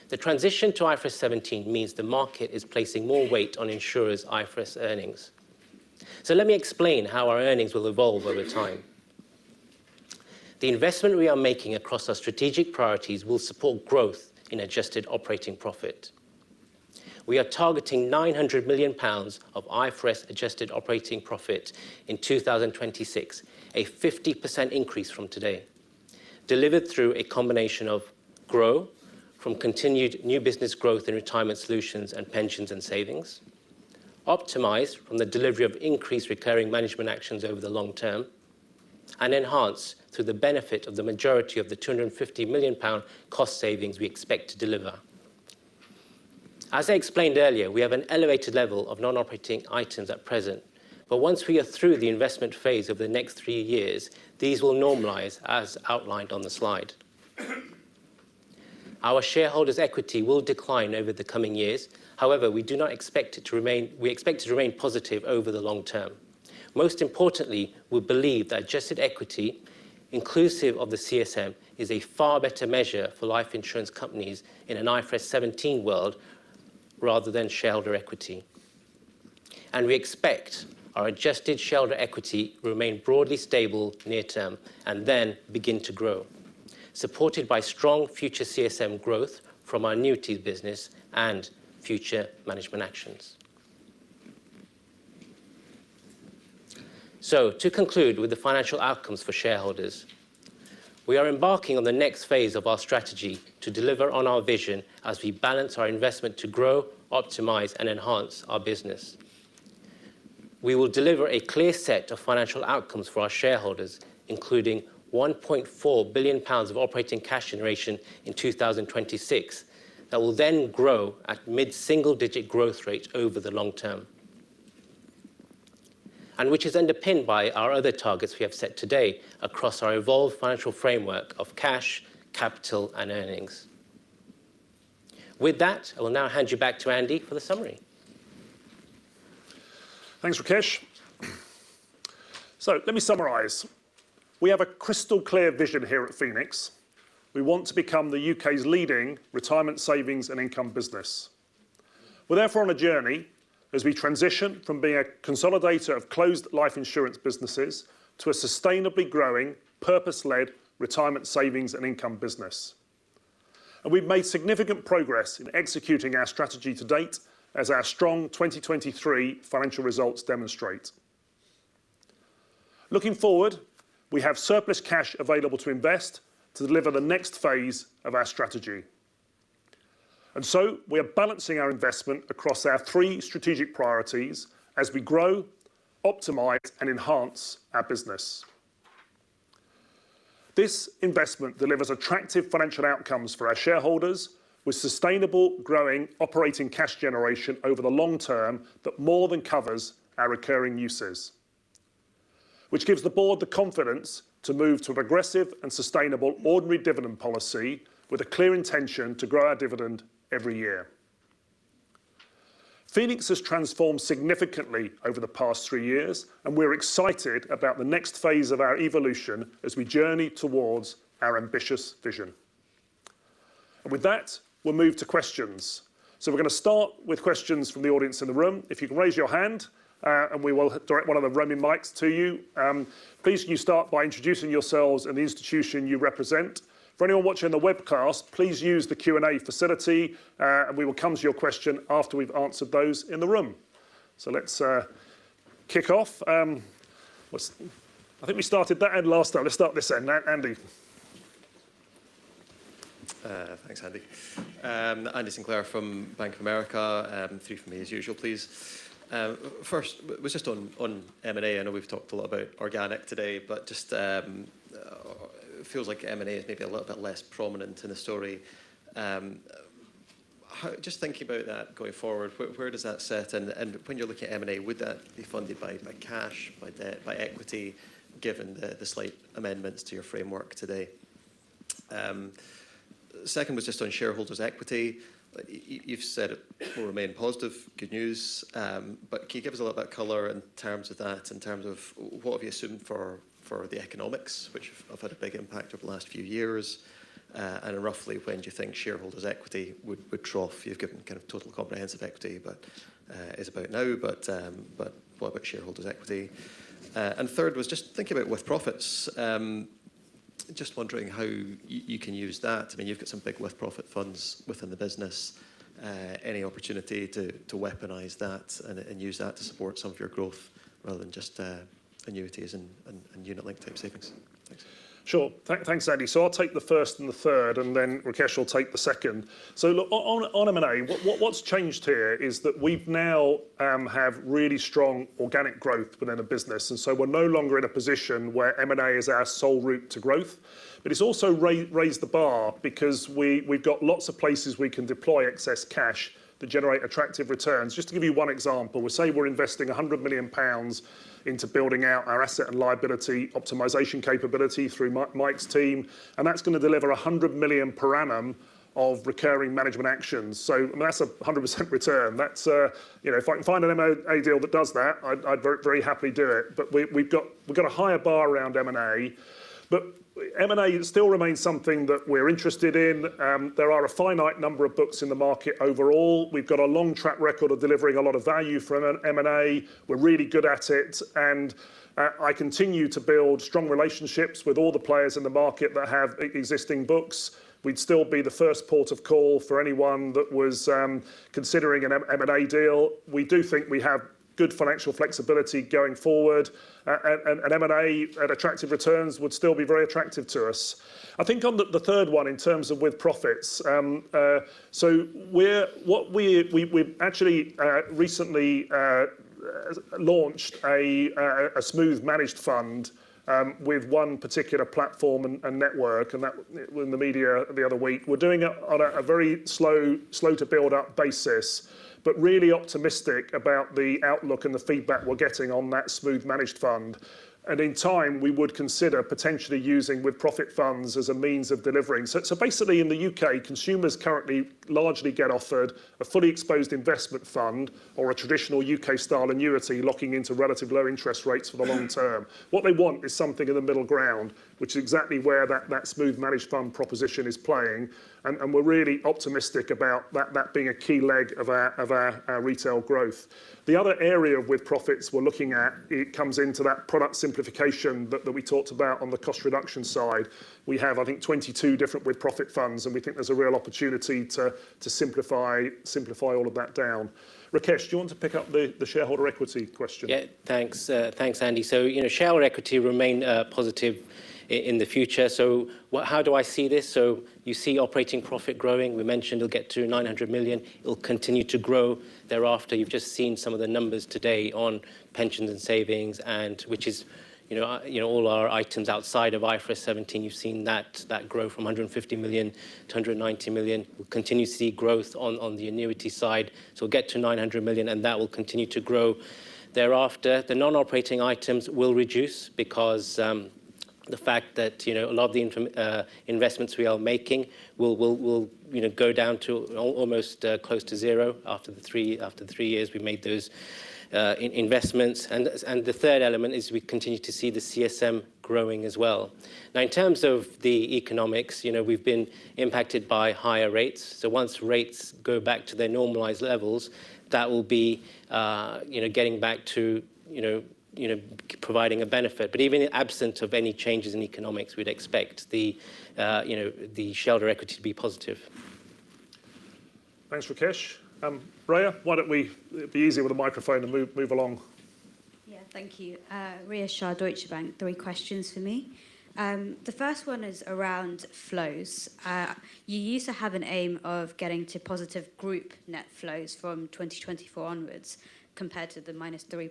The transition to IFRS 17 means the market is placing more weight on insurers' IFRS earnings. So let me explain how our earnings will evolve over time. The investment we are making across our strategic priorities will support growth in adjusted operating profit. We are targeting 900 million pounds of IFRS adjusted operating profit in 2026, a 50% increase from today, delivered through a combination of grow from continued new business growth in Retirement Solutions and Pensions and Savings, optimised from the delivery of increased recurring management actions over the long term, and enhanced through the benefit of the majority of the 250 million pound cost savings we expect to deliver. As I explained earlier, we have an elevated level of non-operating items at present, but once we are through the investment phase over the next three years, these will normalise, as outlined on the slide. Our shareholders' equity will decline over the coming years. However, we do not expect it to remain we expect it to remain positive over the long term. Most importantly, we believe that adjusted equity, inclusive of the CSM, is a far better measure for life insurance companies in an IFRS 17 world rather than shareholder equity. We expect our adjusted shareholder equity to remain broadly stable near-term and then begin to grow, supported by strong future CSM growth from our annuities business and future management actions. To conclude with the financial outcomes for shareholders, we are embarking on the next phase of our strategy to deliver on our vision as we balance our investment to grow, optimize, and enhance our business. We will deliver a clear set of financial outcomes for our shareholders, including 1.4 billion pounds of operating cash generation in 2026 that will then grow at mid-single-digit growth rate over the long term, and which is underpinned by our other targets we have set today across our evolved financial framework of cash, capital, and earnings. With that, I will now hand you back to Andy for the summary. Thanks, Rakesh. So let me summarize. We have a crystal-clear vision here at Phoenix. We want to become the U.K.'s leading retirement savings and income business. We're therefore on a journey as we transition from being a consolidator of closed life insurance businesses to a sustainably growing, purpose-led retirement savings and income business. And we've made significant progress in executing our strategy to date, as our strong 2023 financial results demonstrate. Looking forward, we have surplus cash available to invest to deliver the next phase of our strategy. And so, we are balancing our investment across our three strategic priorities as we grow, optimize, and enhance our business. This investment delivers attractive financial outcomes for our shareholders with sustainable, growing operating cash generation over the long term that more than covers our recurring uses, which gives the board the confidence to move to an progressive and sustainable ordinary dividend policy with a clear intention to grow our dividend every year. Phoenix has transformed significantly over the past three years, and we're excited about the next phase of our evolution as we journey towards our ambitious vision. With that, we'll move to questions. We're going to start with questions from the audience in the room. If you can raise your hand, and we will direct one of the roaming mics to you. Please start by introducing yourselves and the institution you represent. For anyone watching the webcast, please use the Q&A facility, and we will come to your question after we've answered those in the room. Let's kick off. I think we started that end last time. Let's start this end, Andy. Thanks, Andy. Andy Sinclair from Bank of America. Three from me as usual, please. First, just on M&A, I know we've talked a lot about organic today, but it feels like M&A is maybe a little bit less prominent in the story. Just thinking about that going forward, where does that sit? And when you're looking at M&A, would that be funded by cash, by debt, by equity, given the slight amendments to your framework today? Second was just on shareholders' equity. You've said it will remain positive, good news. But can you give us a little bit of color in terms of that, in terms of what have you assumed for the economics, which have had a big impact over the last few years, and roughly when do you think shareholders' equity would trough? You've given kind of total comprehensive equity, but it's about now. But what about shareholders' equity? And third was just thinking about with-profits. Just wondering how you can use that. I mean, you've got some big with-profit funds within the business. Any opportunity to weaponise that and use that to support some of your growth rather than just annuities and unit-linked type savings? Sure. Thanks, Andy. So I'll take the first and the third, and then Rakesh will take the second. So look, on M&A, what's changed here is that we now have really strong organic growth within a business. And so we're no longer in a position where M&A is our sole route to growth. But it's also raised the bar because we've got lots of places we can deploy excess cash to generate attractive returns. Just to give you one example, we say we're investing 100 million pounds into building out our asset and liability optimisation capability through Mike's team. And that's going to deliver 100 million per annum of recurring management actions. So that's 100% return. If I can find an M&A deal that does that, I'd very happily do it. But we've got a higher bar around M&A. But M&A still remains something that we're interested in. There are a finite number of books in the market overall. We've got a long track record of delivering a lot of value from M&A. We're really good at it. And I continue to build strong relationships with all the players in the market that have existing books. We'd still be the first port of call for anyone that was considering an M&A deal. We do think we have good financial flexibility going forward. And M&A at attractive returns would still be very attractive to us. I think on the third one, in terms of with-profits, so we've actually recently launched a Smooth Managed Fund with one particular platform and network, and that was in the media the other week. We're doing it on a very slow-to-build-up basis, but really optimistic about the outlook and the feedback we're getting on that Smooth Managed Fund. In time, we would consider potentially using with-profit funds as a means of delivering. So basically, in the U.K., consumers currently largely get offered a fully exposed investment fund or a traditional U.K.-style annuity locking into relatively low interest rates for the long term. What they want is something in the middle ground, which is exactly where that Smooth Managed Fund proposition is playing. And we're really optimistic about that being a key leg of our retail growth. The other area of with-profits we're looking at, it comes into that product simplification that we talked about on the cost reduction side. We have, I think, 22 different with-profit funds, and we think there's a real opportunity to simplify all of that down. Rakesh, do you want to pick up the shareholder equity question? Yeah, thanks, Andy. So shareholder equity remain positive in the future. So how do I see this? So you see operating profit growing. We mentioned it'll get to 900 million. It'll continue to grow thereafter. You've just seen some of the numbers today on Pensions and Savings, which is all our items outside of IFRS 17. You've seen that grow from 150 million to 190 million. We'll continue to see growth on the annuity side. So we'll get to 900 million, and that will continue to grow thereafter. The non-operating items will reduce because the fact that a lot of the investments we are making will go down to almost close to zero after the three years we made those investments. And the third element is we continue to see the CSM growing as well. Now, in terms of the economics, we've been impacted by higher rates. So once rates go back to their normalized levels, that will be getting back to providing a benefit. But even in the absence of any changes in economics, we'd expect the shareholder equity to be positive. Thanks, Rakesh. Rhea, why don't we be easy with the microphone and move along? Yeah, thank you. Rhea Shah, Deutsche Bank, three questions for me. The first one is around flows. You used to have an aim of getting to positive group net flows from 2024 onwards compared to the -$3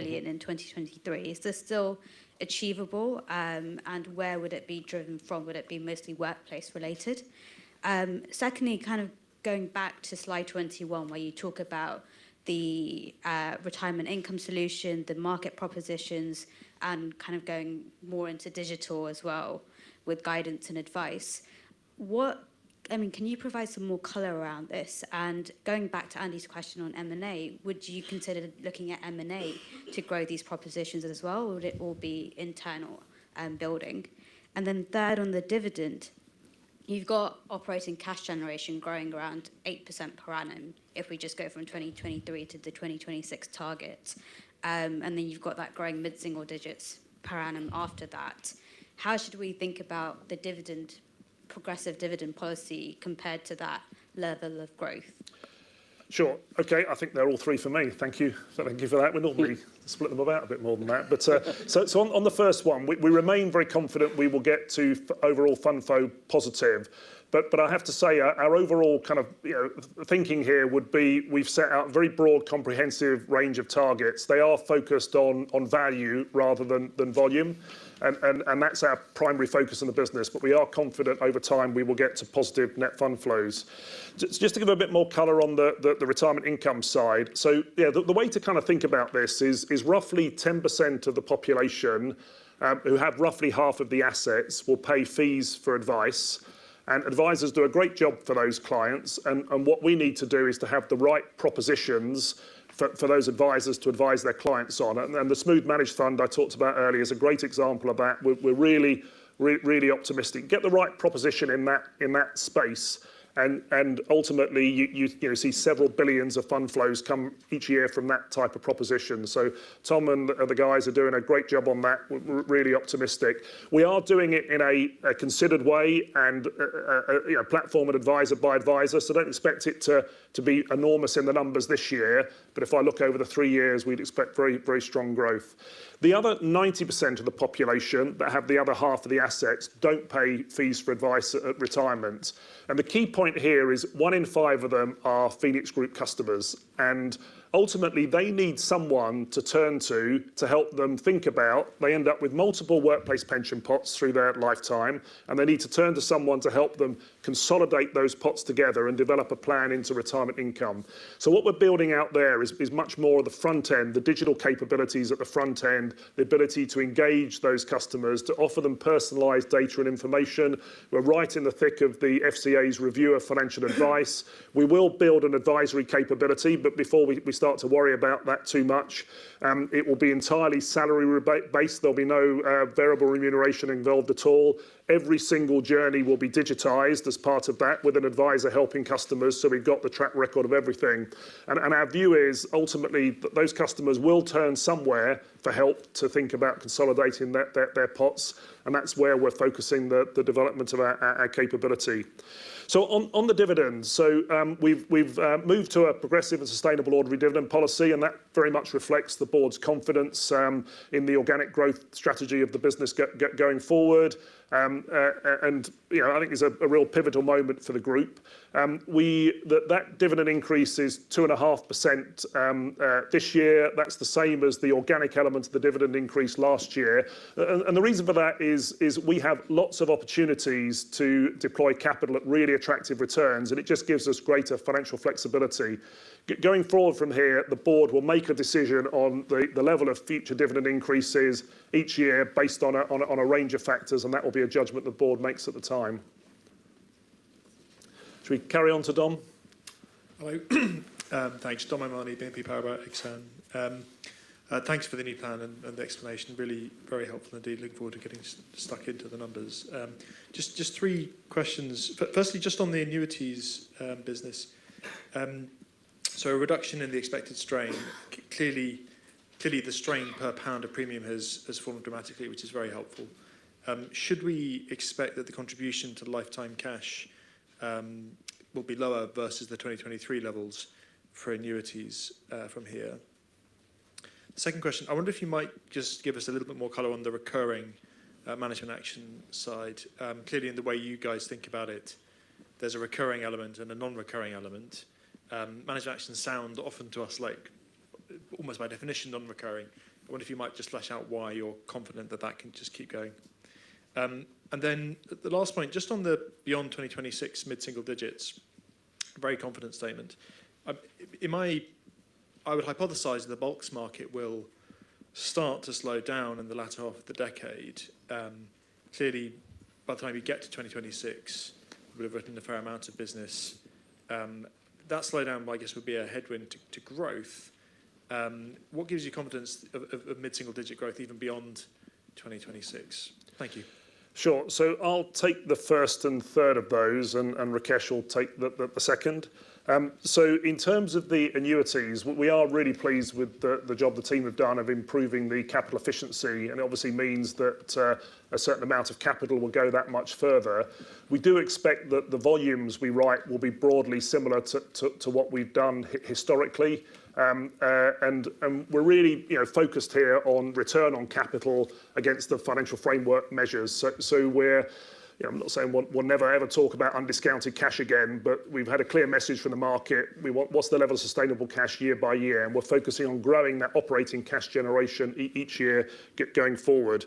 billion in 2023. Is this still achievable? And where would it be driven from? Would it be mostly workplace-related? Secondly, kind of going back to slide 21, where you talk about the retirement income solution, the market propositions, and kind of going more into digital as well with guidance and advice, I mean, can you provide some more color around this? And going back to Andy's question on M&A, would you consider looking at M&A to grow these propositions as well, or would it all be internal building? And then third, on the dividend, you've got operating cash generation growing around 8% per annum if we just go from 2023 to the 2026 targets. And then you've got that growing mid-single digits per annum after that. How should we think about the progressive dividend policy compared to that level of growth? Sure. OK, I think they're all three for me. Thank you. So thank you for that. We normally split them about a bit more than that. So on the first one, we remain very confident we will get to overall fund flow positive. But I have to say, our overall kind of thinking here would be we've set out a very broad, comprehensive range of targets. They are focused on value rather than volume. And that's our primary focus in the business. But we are confident over time we will get to positive net fund flows. Just to give a bit more color on the retirement income side, so yeah, the way to kind of think about this is roughly 10% of the population who have roughly half of the assets will pay fees for advice. And advisers do a great job for those clients. What we need to do is to have the right propositions for those advisers to advise their clients on. And the Smooth Managed Fund I talked about earlier is a great example of that. We're really, really optimistic. Get the right proposition in that space. And ultimately, you see several billions of fund flows come each year from that type of proposition. So Tom and the guys are doing a great job on that. We're really optimistic. We are doing it in a considered way and platform and adviser by adviser. So don't expect it to be enormous in the numbers this year. But if I look over the three years, we'd expect very, very strong growth. The other 90% of the population that have the other half of the assets don't pay fees for advice at retirement. The key point here is one in five of them are Phoenix Group customers. Ultimately, they need someone to turn to to help them think about they end up with multiple workplace pension pots through their lifetime, and they need to turn to someone to help them consolidate those pots together and develop a plan into retirement income. So what we're building out there is much more of the front end, the digital capabilities at the front end, the ability to engage those customers, to offer them personalized data and information. We're right in the thick of the FCA's review of financial advice. We will build an advisory capability. But before we start to worry about that too much, it will be entirely salary-based. There'll be no variable remuneration involved at all. Every single journey will be digitized, as part of that, with an adviser helping customers. We've got the track record of everything. Our view is, ultimately, those customers will turn somewhere for help to think about consolidating their pots. That's where we're focusing the development of our capability. On the dividends, so we've moved to a progressive and sustainable ordinary dividend policy. That very much reflects the board's confidence in the organic growth strategy of the business going forward. I think it's a real pivotal moment for the group. That dividend increase is 2.5% this year. That's the same as the organic elements of the dividend increase last year. The reason for that is we have lots of opportunities to deploy capital at really attractive returns. It just gives us greater financial flexibility. Going forward from here, the board will make a decision on the level of future dividend increases each year based on a range of factors. That will be a judgment the board makes at the time. Should we carry on to Dom? Hello. Thanks. Dominic O'Mahony, BNP Paribas Exane. Thanks for the new plan and the explanation. Really very helpful, indeed. Looking forward to getting stuck into the numbers. Just three questions. Firstly, just on the annuities business. So a reduction in the expected strain. Clearly, the strain per pound of premium has fallen dramatically, which is very helpful. Should we expect that the contribution to lifetime cash will be lower versus the 2023 levels for annuities from here? Second question. I wonder if you might just give us a little bit more color on the recurring management action side. Clearly, in the way you guys think about it, there's a recurring element and a non-recurring element. Management actions sound often to us like almost by definition non-recurring. I wonder if you might just flesh out why you're confident that that can just keep going. Then the last point, just on the beyond 2026 mid-single digits, very confident statement. I would hypothesize the bulk market will start to slow down in the latter half of the decade. Clearly, by the time you get to 2026, we'll have written a fair amount of business. That slowdown, I guess, would be a headwind to growth. What gives you confidence of mid-single digit growth even beyond 2026? Thank you. Sure. So I'll take the first and third of those. And Rakesh will take the second. So in terms of the annuities, we are really pleased with the job the team have done of improving the capital efficiency. And it obviously means that a certain amount of capital will go that much further. We do expect that the volumes we write will be broadly similar to what we've done historically. And we're really focused here on return on capital against the financial framework measures. So I'm not saying we'll never, ever talk about undiscounted cash again. But we've had a clear message from the market. What's the level of sustainable cash year by year? And we're focusing on growing that operating cash generation each year going forward.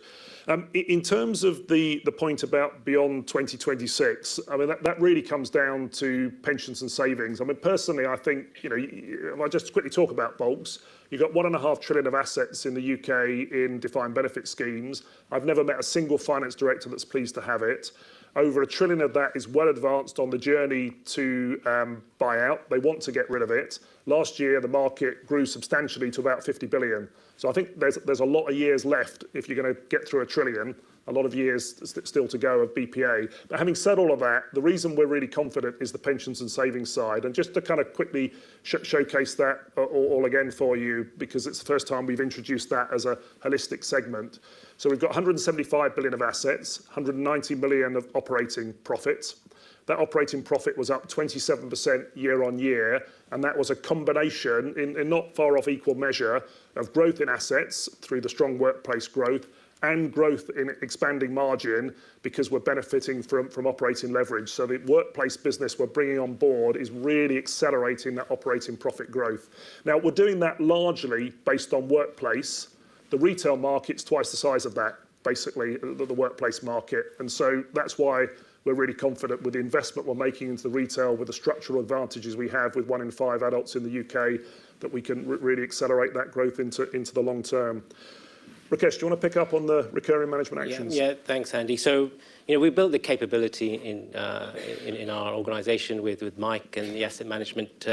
In terms of the point about beyond 2026, I mean, that really comes down to Pensions and Savings. I mean, personally, I think if I just quickly talk about bulks, you've got 1.5 trillion of assets in the U.K. in defined benefit schemes. I've never met a single finance director that's pleased to have it. Over a trillion of that is well advanced on the journey to buy out. They want to get rid of it. Last year, the market grew substantially to about 50 billion. So I think there's a lot of years left if you're going to get through a trillion. A lot of years still to go of BPA. But having said all of that, the reason we're really confident is the Pensions and Savings side. And just to kind of quickly showcase that all again for you, because it's the first time we've introduced that as a holistic segment. So we've got 175 billion of assets, 190 million of operating profits. That operating profit was up 27% year-over-year. And that was a combination, in not far-off equal measure, of growth in assets through the strong workplace growth and growth in expanding margin, because we're benefiting from operating leverage. So the workplace business we're bringing on board is really accelerating that operating profit growth. Now, we're doing that largely based on workplace. The retail market's twice the size of that, basically, the workplace market. And so that's why we're really confident with the investment we're making into the retail, with the structural advantages we have with one in five adults in the U.K., that we can really accelerate that growth into the long term. Rakesh, do you want to pick up on the recurring management actions? Yeah, thanks, Andy. So we've built the capability in our organization with Mike and the asset management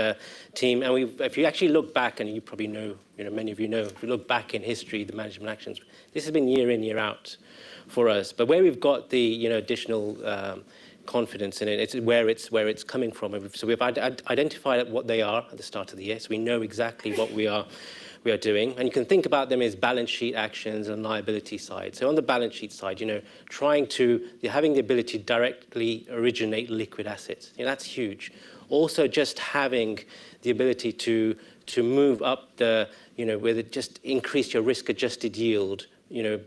team. And if you actually look back and you probably know many of you know, if you look back in history, the management actions, this has been year in, year out for us. But where we've got the additional confidence in it, it's where it's coming from. So we've identified what they are at the start of the year. So we know exactly what we are doing. And you can think about them as balance sheet actions and liability side. So on the balance sheet side, trying to having the ability to directly originate liquid assets, that's huge. Also, just having the ability to move up the just increase your risk-adjusted yield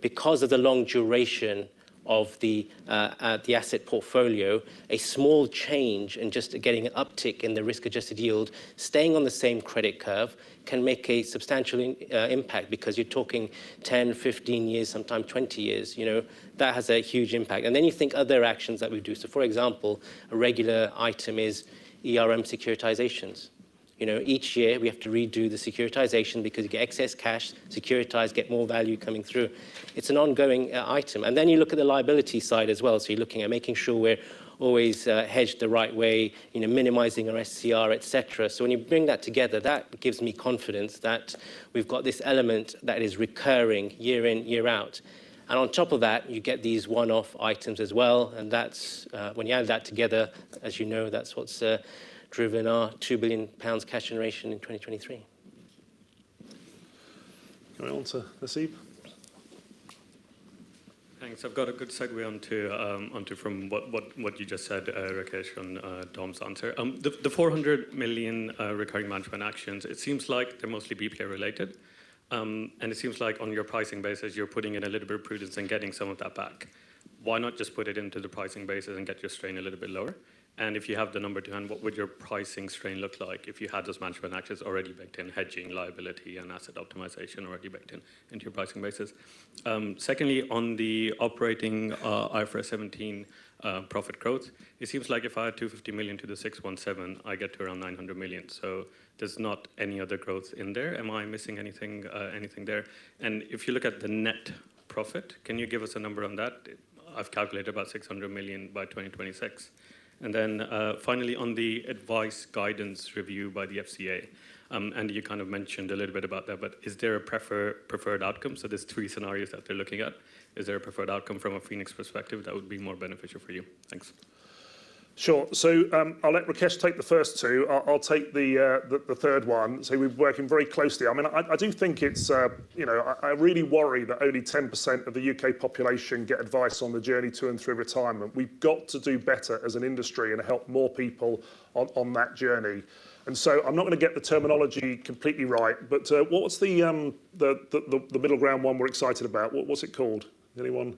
because of the long duration of the asset portfolio, a small change and just getting an uptick in the risk-adjusted yield, staying on the same credit curve, can make a substantial impact. Because you're talking 10, 15 years, sometimes 20 years. That has a huge impact. And then you think other actions that we do. So for example, a regular item is securitizations. Each year, we have to redo the securitization because you get excess cash. Securitize, get more value coming through. It's an ongoing item. And then you look at the liability side as well. So you're looking at making sure we're always hedged the right way, minimizing our SCR, et cetera. So when you bring that together, that gives me confidence that we've got this element that is recurring year in, year out. On top of that, you get these one-off items as well. When you add that together, as you know, that's what's driven our 2 billion pounds cash generation in 2023. Thank you. Going on to Nasib. Thanks. I've got a good segue onto from what you just said, Rakesh, on Dom's answer. The 400 million recurring management actions, it seems like they're mostly BPA-related. It seems like, on your pricing basis, you're putting in a little bit of prudence and getting some of that back. Why not just put it into the pricing basis and get your strain a little bit lower? And if you have the number to hand, what would your pricing strain look like if you had those management actions already baked in, hedging, liability, and asset optimization already baked in into your pricing basis? Secondly, on the operating IFRS 17 profit growth, it seems like if I had 250 million to the 617, I get to around 900 million. There's not any other growth in there. Am I missing anything there? If you look at the net profit, can you give us a number on that? I've calculated about $600 million by 2026. Then finally, on the advice guidance review by the FCA, Andy, you kind of mentioned a little bit about that. But is there a preferred outcome? So there's three scenarios that they're looking at. Is there a preferred outcome from a Phoenix perspective that would be more beneficial for you? Thanks. Sure. So I'll let Rakesh take the first two. I'll take the third one. So we're working very closely. I mean, I do think it's, I really worry that only 10% of the U.K. population get advice on the journey to and through retirement. We've got to do better as an industry and help more people on that journey. And so I'm not going to get the terminology completely right. But what's the middle ground one we're excited about? What's it called? Anyone?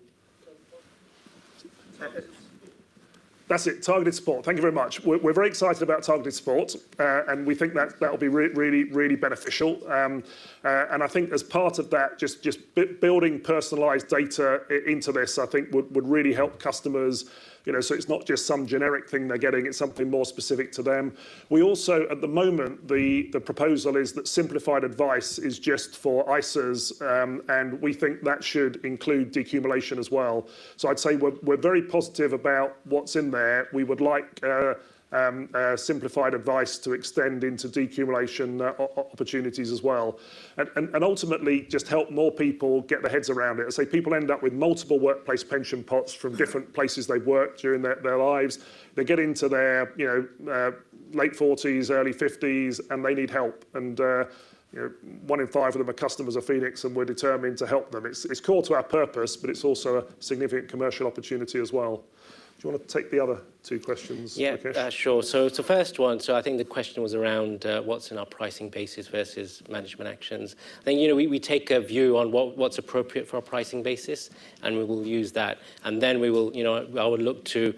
That's it, Targeted Support. Thank you very much. We're very excited about Targeted Support. And we think that that will be really, really beneficial. And I think, as part of that, just building personalized data into this, I think, would really help customers. So it's not just some generic thing they're getting. It's something more specific to them. We also, at the moment, the proposal is that Simplified Advice is just for ISAs. We think that should include decumulation as well. So I'd say we're very positive about what's in there. We would like Simplified Advice to extend into decumulation opportunities as well. Ultimately, just help more people get their heads around it. As I say, people end up with multiple workplace pension pots from different places they've worked during their lives. They get into their late 40s, early 50s, and they need help. One in five of them are customers of Phoenix. We're determined to help them. It's core to our purpose. But it's also a significant commercial opportunity as well. Do you want to take the other two questions, Rakesh? Yeah, sure. So the first one, so I think the question was around what's in our pricing basis versus management actions. I think we take a view on what's appropriate for our pricing basis. And we will use that. And then I would look to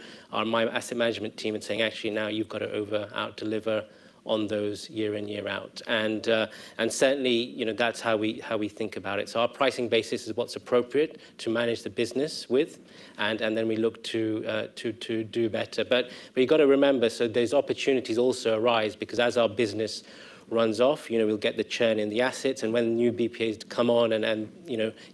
my asset management team and saying, actually, now you've got to over out deliver on those year in, year out. And certainly, that's how we think about it. So our pricing basis is what's appropriate to manage the business with. And then we look to do better. But you've got to remember, so there's opportunities also arise. Because as our business runs off, we'll get the churn in the assets. And when new BPAs come on,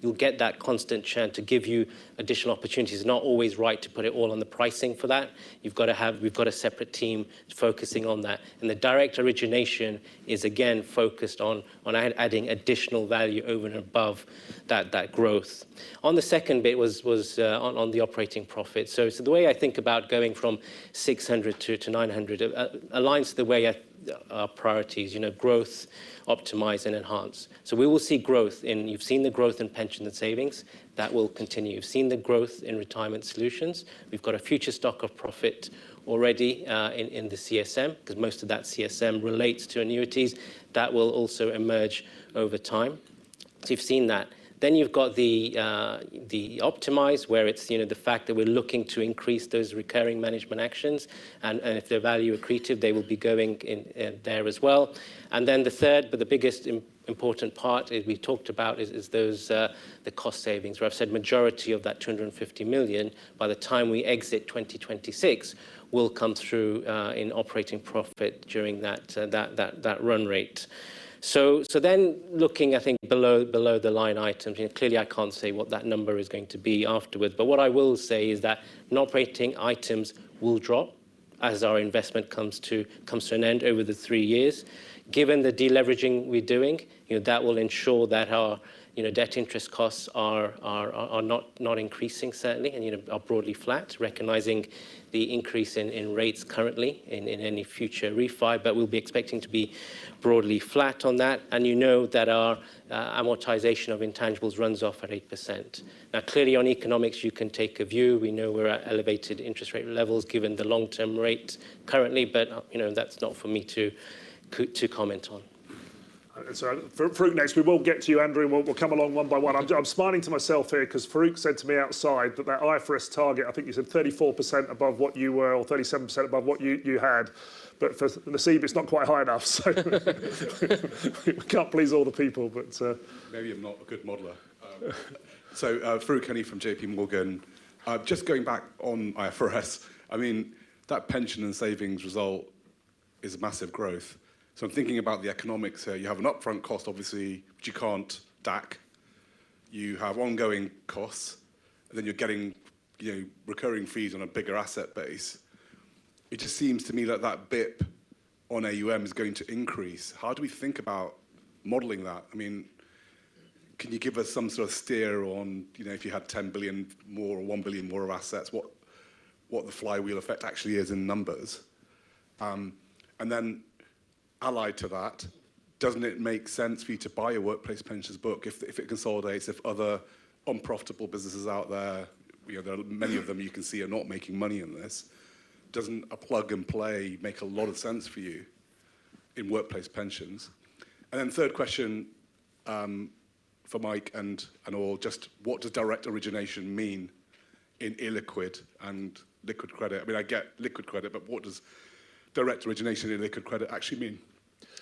you'll get that constant churn to give you additional opportunities. It's not always right to put it all on the pricing for that. We've got a separate team focusing on that. And the direct origination is, again, focused on adding additional value over and above that growth. On the second bit, it was on the operating profit. So the way I think about going from 600 to 900 aligns to the way our priorities growth, optimize, and enhance. So we will see growth. You've seen the growth in Pensions and Savings. That will continue. You've seen the growth in Retirement Solutions. We've got a future stock of profit already in the CSM, because most of that CSM relates to annuities. That will also emerge over time. So you've seen that. Then you've got the optimize, where it's the fact that we're looking to increase those recurring management actions. And if they're value accretive, they will be going there as well. Then the third, but the biggest, important part, as we talked about, is the cost savings. Where I've said majority of that 250 million, by the time we exit 2026, will come through in operating profit during that run rate. So then looking, I think, below the line items, clearly, I can't say what that number is going to be afterwards. But what I will say is that non-operating items will drop as our investment comes to an end over the three years. Given the deleveraging we're doing, that will ensure that our debt interest costs are not increasing, certainly, and are broadly flat, recognizing the increase in rates currently in any future refi. But we'll be expecting to be broadly flat on that. And you know that our amortization of intangibles runs off at 8%. Now, clearly, on economics, you can take a view. We know we're at elevated interest rate levels given the long-term rate currently. But that's not for me to comment on. Farooq next. We will get to you, Andrew. And we'll come along one by one. I'm smiling to myself here, because Farooq said to me outside that the IFRS target, I think you said 34% above what you were or 37% above what you had. But for Nasib, it's not quite high enough. So we can't please all the people. But. Maybe I'm not a good modeler. So Farooq Hanif from JPMorgan. Just going back on IFRS, I mean, that pension and savings result is massive growth. So I'm thinking about the economics here. You have an upfront cost, obviously, which you can't DAC. You have ongoing costs. And then you're getting recurring fees on a bigger asset base. It just seems to me that that bip on AUM is going to increase. How do we think about modeling that? I mean, can you give us some sort of steer on if you had $10 billion more or $1 billion more of assets, what the flywheel effect actually is in numbers? And then allied to that, doesn't it make sense for you to buy a workplace pensions book if it consolidates? If other unprofitable businesses out there, many of them you can see are not making money in this, doesn't a plug and play make a lot of sense for you in workplace pensions? And then third question for Mike and all, just what does direct origination mean in illiquid and liquid credit? I mean, I get liquid credit. But what does direct origination in liquid credit actually mean?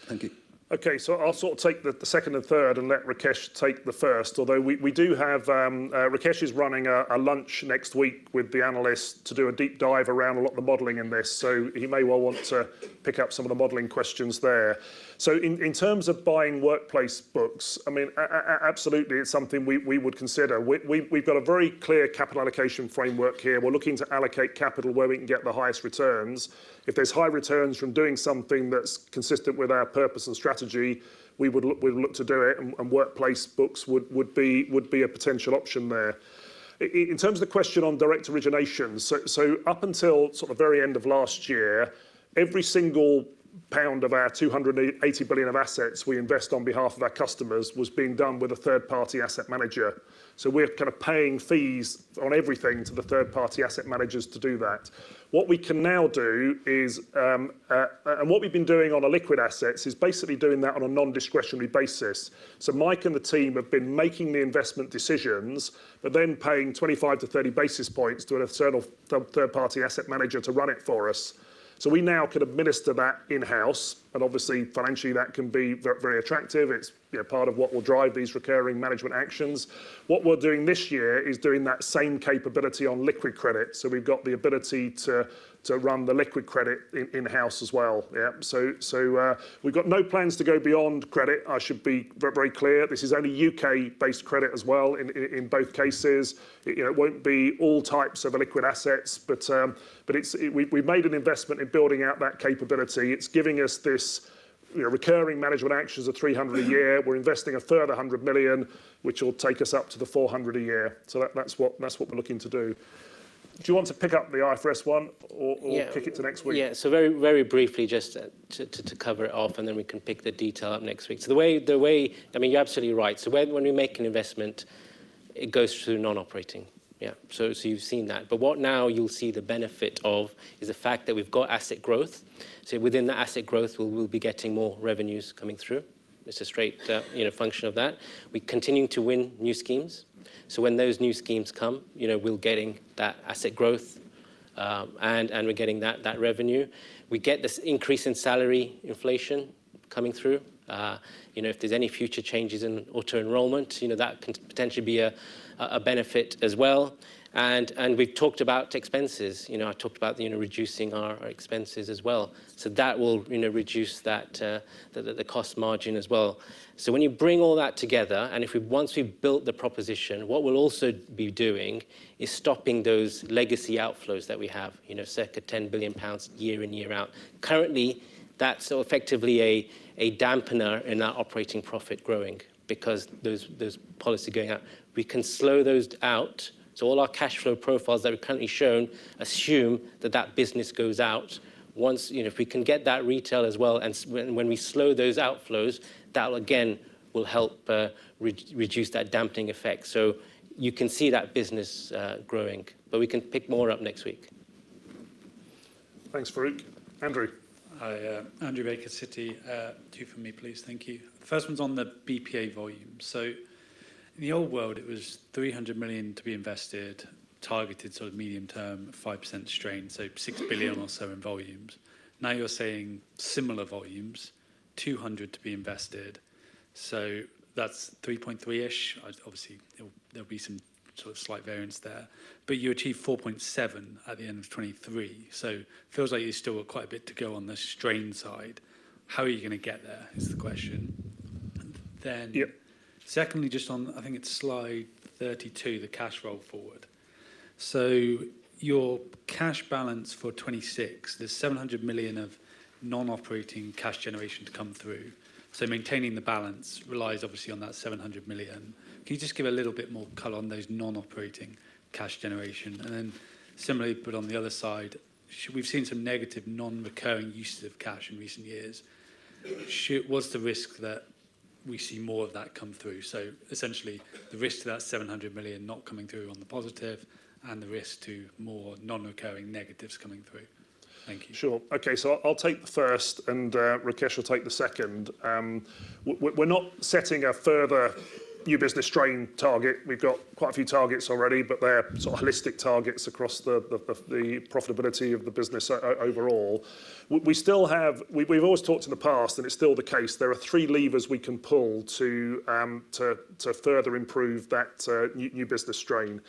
Thank you. OK, so I'll sort of take the second and third and let Rakesh take the first. Although we do have, Rakesh is running a lunch next week with the analysts to do a deep dive around a lot of the modeling in this. So he may well want to pick up some of the modeling questions there. So in terms of buying workplace books, I mean, absolutely, it's something we would consider. We've got a very clear capital allocation framework here. We're looking to allocate capital where we can get the highest returns. If there's high returns from doing something that's consistent with our purpose and strategy, we would look to do it. And workplace books would be a potential option there. In terms of the question on direct origination, so up until sort of the very end of last year, every single pound of our 280 billion of assets we invest on behalf of our customers was being done with a third-party asset manager. So we're kind of paying fees on everything to the third-party asset managers to do that. What we can now do is and what we've been doing on the liquid assets is basically doing that on a non-discretionary basis. So Mike and the team have been making the investment decisions, but then paying 25-30 basis points to a third-party asset manager to run it for us. So we now can administer that in-house. And obviously, financially, that can be very attractive. It's part of what will drive these recurring management actions. What we're doing this year is doing that same capability on liquid credit. So we've got the ability to run the liquid credit in-house as well. So we've got no plans to go beyond credit, I should be very clear. This is only U.K.-based credit as well in both cases. It won't be all types of liquid assets. But we've made an investment in building out that capability. It's giving us this recurring management actions of $300 a year. We're investing a further $100 million, which will take us up to the $400 a year. So that's what we're looking to do. Do you want to pick up the IFRS 1 or kick it to next week? Yeah, so very briefly, just to cover it off. And then we can pick the detail up next week. So the way I mean, you're absolutely right. So when we make an investment, it goes through non-operating. Yeah, so you've seen that. But what now you'll see the benefit of is the fact that we've got asset growth. So within the asset growth, we'll be getting more revenues coming through. It's a straight function of that. We continue to win new schemes. So when those new schemes come, we're getting that asset growth. And we're getting that revenue. We get this increase in salary inflation coming through. If there's any future changes in auto enrollment, that can potentially be a benefit as well. And we've talked about expenses. I talked about reducing our expenses as well. So that will reduce the cost margin as well. So when you bring all that together and once we've built the proposition, what we'll also be doing is stopping those legacy outflows that we have, circa 10 billion pounds year in, year out. Currently, that's effectively a dampener in our operating profit growing, because there's policy going out. We can slow those out. So all our cash flow profiles that we've currently shown assume that that business goes out. If we can get that retail as well and when we slow those outflows, that, again, will help reduce that dampening effect. So you can see that business growing. But we can pick more up next week. Thanks, Farooq. Andrew? Andrew Baker, Citi, 2 from me, please. Thank you. The first one's on the BPA volume. So in the old world, it was $300 million to be invested, targeted sort of medium-term, 5% strain, so $6 billion or so in volumes. Now you're saying similar volumes, $200 to be invested. So that's 3.3-ish. Obviously, there'll be some sort of slight variance there. But you achieved 4.7 at the end of 2023. So it feels like you still got quite a bit to go on the strain side. How are you going to get there is the question. And then secondly, just on I think it's slide 32, the cash roll forward. So your cash balance for 2026, there's $700 million of non-operating cash generation to come through. So maintaining the balance relies obviously on that $700 million. Can you just give a little bit more color on those non-operating cash generation? And then similarly, but on the other side, we've seen some negative non-recurring uses of cash in recent years. What's the risk that we see more of that come through? So essentially, the risk to that $700 million not coming through on the positive and the risk to more non-recurring negatives coming through. Thank you. Sure. OK, so I'll take the first. And Rakesh will take the second. We're not setting a further new business strain target. We've got quite a few targets already. But they're sort of holistic targets across the profitability of the business overall. We've always talked in the past, and it's still the case, there are three levers we can pull to further improve that new business strain.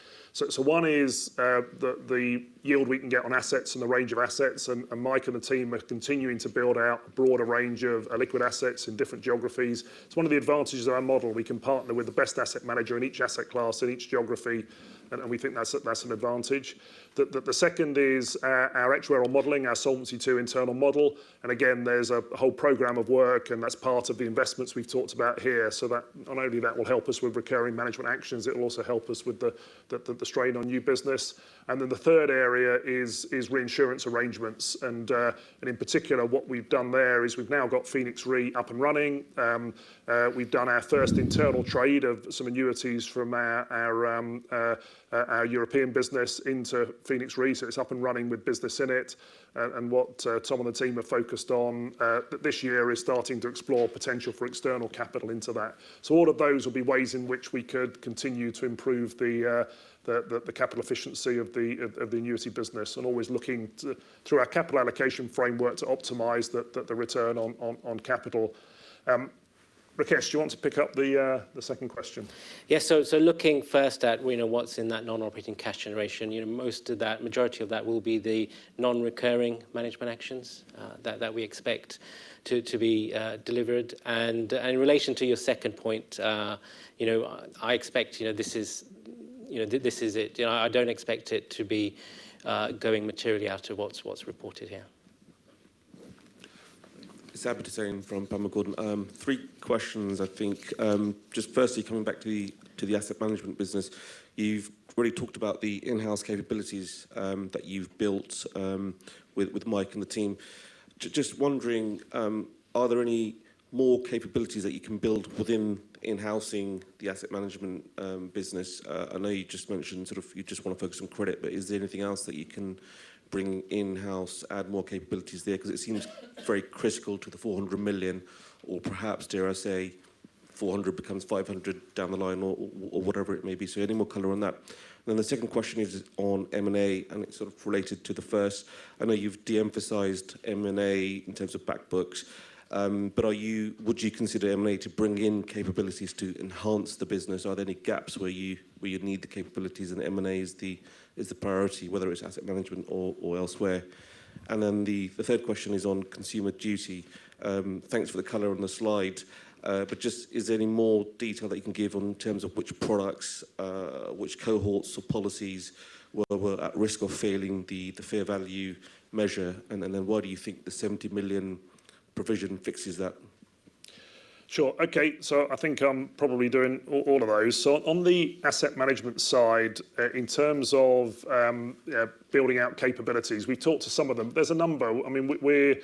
So one is the yield we can get on assets and the range of assets. And Mike and the team are continuing to build out a broader range of liquid assets in different geographies. It's one of the advantages of our model. We can partner with the best asset manager in each asset class in each geography. And we think that's an advantage. The second is our actuarial modeling, our Solvency II internal model. And again, there's a whole program of work. That's part of the investments we've talked about here. So not only that will help us with recurring management actions, it'll also help us with the strain on new business. And then the third area is reinsurance arrangements. And in particular, what we've done there is we've now got Phoenix Re up and running. We've done our first internal trade of some annuities from our European business into Phoenix Re. So it's up and running with business in it. And what Tom and the team are focused on this year is starting to explore potential for external capital into that. So all of those will be ways in which we could continue to improve the capital efficiency of the annuity business and always looking through our capital allocation framework to optimize the return on capital. Rakesh, do you want to pick up the second question? Yeah, so looking first at what's in that non-operating cash generation, most of that, majority of that, will be the non-recurring management actions that we expect to be delivered. And in relation to your second point, I expect this is it. I don't expect it to be going materially out of what's reported here. This is Abid Hussain from Panmure Gordon. Three questions, I think. Just firstly, coming back to the asset management business, you've really talked about the in-house capabilities that you've built with Mike and the team. Just wondering, are there any more capabilities that you can build within in-housing the asset management business? I know you just mentioned sort of you just want to focus on credit. But is there anything else that you can bring in-house, add more capabilities there? Because it seems very critical to the $400 million, or perhaps, dare I say, $400 becomes $500 down the line or whatever it may be. So any more color on that? And then the second question is on M&A. And it's sort of related to the first. I know you've de-emphasized M&A in terms of backbooks. But would you consider M&A to bring in capabilities to enhance the business? Are there any gaps where you need the capabilities? M&A is the priority, whether it's asset management or elsewhere? Then the third question is on Consumer Duty. Thanks for the color on the slide. But just, is there any more detail that you can give in terms of which products, which cohorts of policies were at risk of failing the fair value measure? Why do you think the $70 million provision fixes that? Sure. OK, so I think I'm probably doing all of those. So on the asset management side, in terms of building out capabilities, we've talked to some of them. There's a number. I mean, we're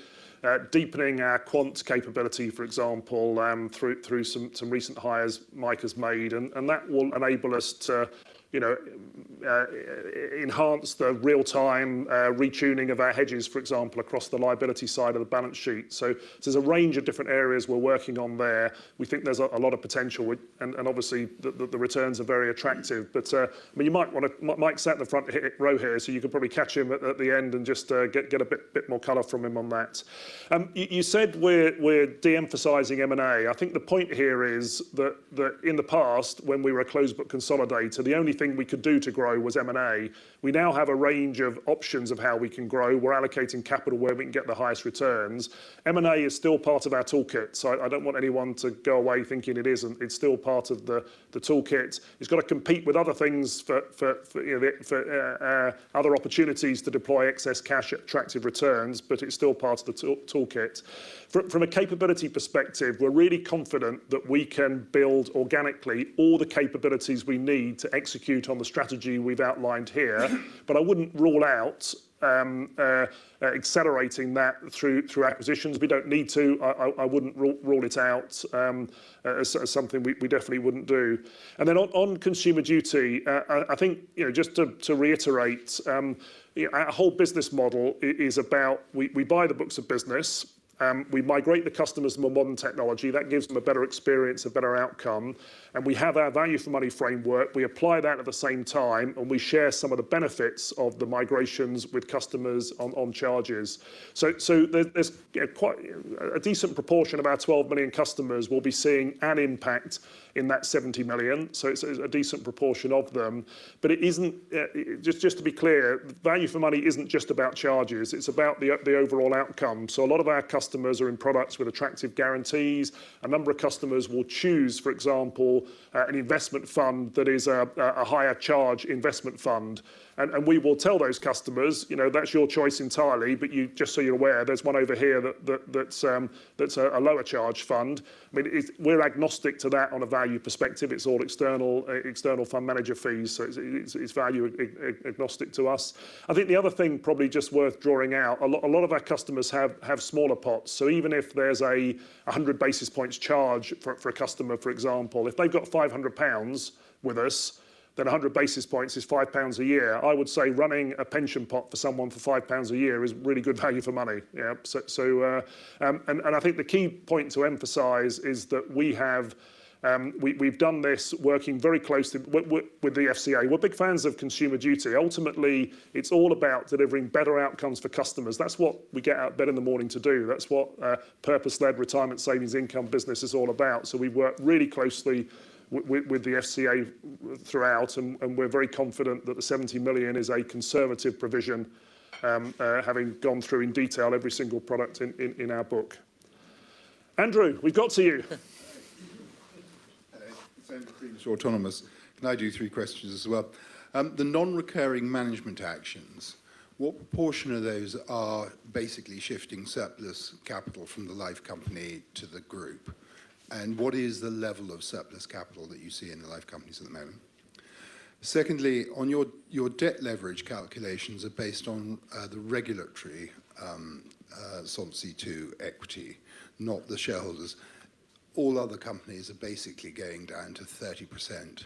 deepening our quant capability, for example, through some recent hires Mike has made. And that will enable us to enhance the real-time retuning of our hedges, for example, across the liability side of the balance sheet. So there's a range of different areas we're working on there. We think there's a lot of potential. And obviously, the returns are very attractive. But you might want to Mike sat in the front row here. So you could probably catch him at the end and just get a bit more color from him on that. You said we're de-emphasising M&A. I think the point here is that in the past, when we were a closed-book consolidator, the only thing we could do to grow was M&A. We now have a range of options of how we can grow. We're allocating capital where we can get the highest returns. M&A is still part of our toolkit. So I don't want anyone to go away thinking it isn't. It's still part of the toolkit. It's got to compete with other things, other opportunities to deploy excess cash at attractive returns. But it's still part of the toolkit. From a capability perspective, we're really confident that we can build organically all the capabilities we need to execute on the strategy we've outlined here. But I wouldn't rule out accelerating that through acquisitions. We don't need to. I wouldn't rule it out as something we definitely wouldn't do. Then on Consumer Duty, I think just to reiterate, our whole business model is about we buy the books of business. We migrate the customers to more modern technology. That gives them a better experience, a better outcome. And we have our Value for Money framework. We apply that at the same time. And we share some of the benefits of the migrations with customers on charges. So there's quite a decent proportion of our 12 million customers will be seeing an impact in that 70 million. So it's a decent proportion of them. But it isn't just to be clear, Value for Money isn't just about charges. It's about the overall outcome. So a lot of our customers are in products with attractive guarantees. A number of customers will choose, for example, an investment fund that is a higher charge investment fund. We will tell those customers, that's your choice entirely. But just so you're aware, there's one over here that's a lower charge fund. I mean, we're agnostic to that on a value perspective. It's all external fund manager fees. So it's value agnostic to us. I think the other thing probably just worth drawing out, a lot of our customers have smaller pots. So even if there's a 100 basis points charge for a customer, for example, if they've got 500 pounds with us, then 100 basis points is 5 pounds a year. I would say running a pension pot for someone for 5 pounds a year is really good Value for Money. Yeah, and I think the key point to emphasize is that we've done this working very closely with the FCA. We're big fans of Consumer Duty. Ultimately, it's all about delivering better outcomes for customers. That's what we get out of bed in the morning to do. That's what purpose-led retirement savings income business is all about. So we work really closely with the FCA throughout. And we're very confident that the 70 million is a conservative provision, having gone through in detail every single product in our book. Andrew, we've got to you. Hello. It's Andrew Crean, from Autonomous. Can I do three questions as well? The non-recurring management actions, what proportion of those are basically shifting surplus capital from the life company to the group? And what is the level of surplus capital that you see in the life companies at the moment? Secondly, on your debt leverage calculations are based on the regulatory Solvency II equity, not the shareholders. All other companies are basically going down to 30%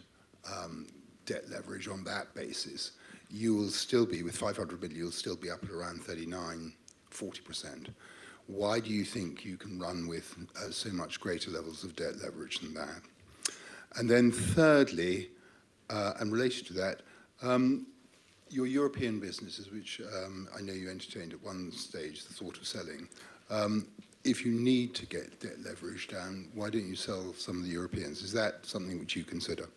debt leverage on that basis. With $500 million, you'll still be up at around 39%, 40%. Why do you think you can run with so much greater levels of debt leverage than that? And then thirdly, and related to that, your European businesses, which I know you entertained at one stage, the thought of selling, if you need to get debt leverage down, why don't you sell some of the Europeans? Is that something which you consider?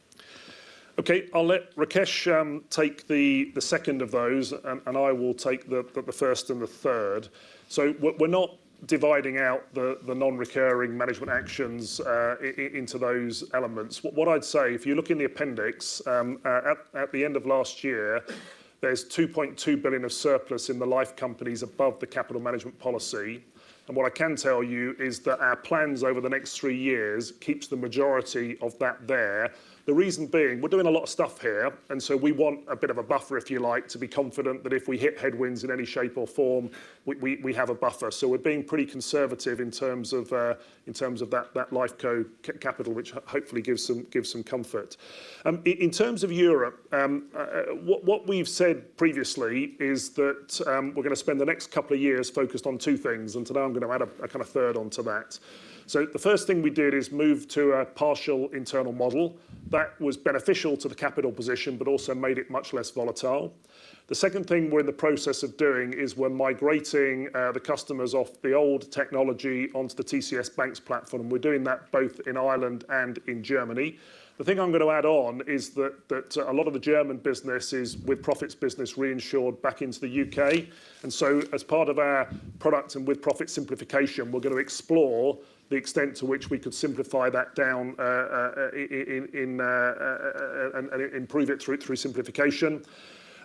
OK, I'll let Rakesh take the second of those. And I will take the first and the third. So we're not dividing out the non-recurring management actions into those elements. What I'd say, if you look in the appendix, at the end of last year, there's $2.2 billion of surplus in the life companies above the capital management policy. And what I can tell you is that our plans over the next three years keep the majority of that there. The reason being, we're doing a lot of stuff here. And so we want a bit of a buffer, if you like, to be confident that if we hit headwinds in any shape or form, we have a buffer. So we're being pretty conservative in terms of that life co-capital, which hopefully gives some comfort. In terms of Europe, what we've said previously is that we're going to spend the next couple of years focused on two things. And today, I'm going to add a kind of third onto that. So the first thing we did is move to a partial internal model that was beneficial to the capital position but also made it much less volatile. The second thing we're in the process of doing is we're migrating the customers off the old technology onto the TCS BaNCS platform. And we're doing that both in Ireland and in Germany. The thing I'm going to add on is that a lot of the German business is with-profits business reinsured back into the U.K. And so as part of our product and with-profit simplification, we're going to explore the extent to which we could simplify that down and improve it through simplification.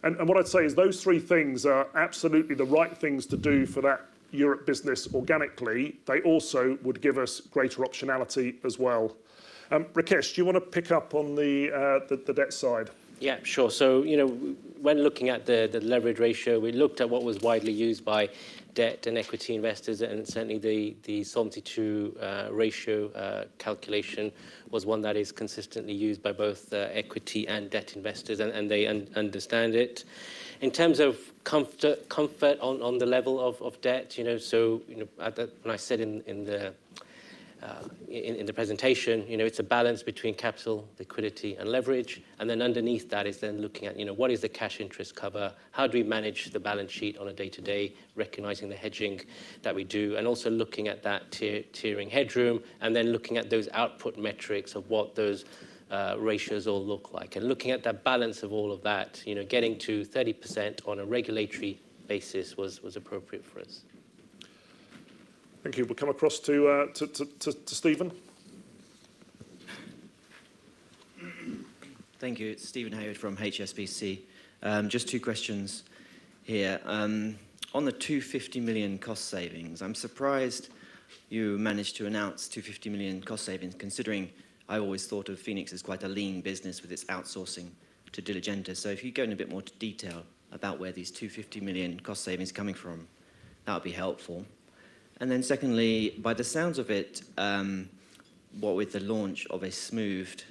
What I'd say is those three things are absolutely the right things to do for that Europe business organically. They also would give us greater optionality as well. Rakesh, do you want to pick up on the debt side? Yeah, sure. So when looking at the leverage ratio, we looked at what was widely used by debt and equity investors. And certainly, the Solvency II ratio calculation was one that is consistently used by both equity and debt investors. And they understand it. In terms of comfort on the level of debt, so when I said in the presentation, it's a balance between capital, liquidity, and leverage. And then underneath that is then looking at what is the cash interest cover? How do we manage the balance sheet on a day-to-day, recognizing the hedging that we do? And also looking at that tiering headroom and then looking at those output metrics of what those ratios all look like. And looking at that balance of all of that, getting to 30% on a regulatory basis was appropriate for us. Thank you. We'll come across to Steven. Thank you. It's Steven Haywood from HSBC. Just two questions here. On the 250 million cost savings, I'm surprised you managed to announce 250 million cost savings, considering I've always thought of Phoenix as quite a lean business with its outsourcing to Diligenta. So if you go into a bit more detail about where these 250 million cost savings are coming from, that would be helpful. And then secondly, by the sounds of it, with the launch of a smoothed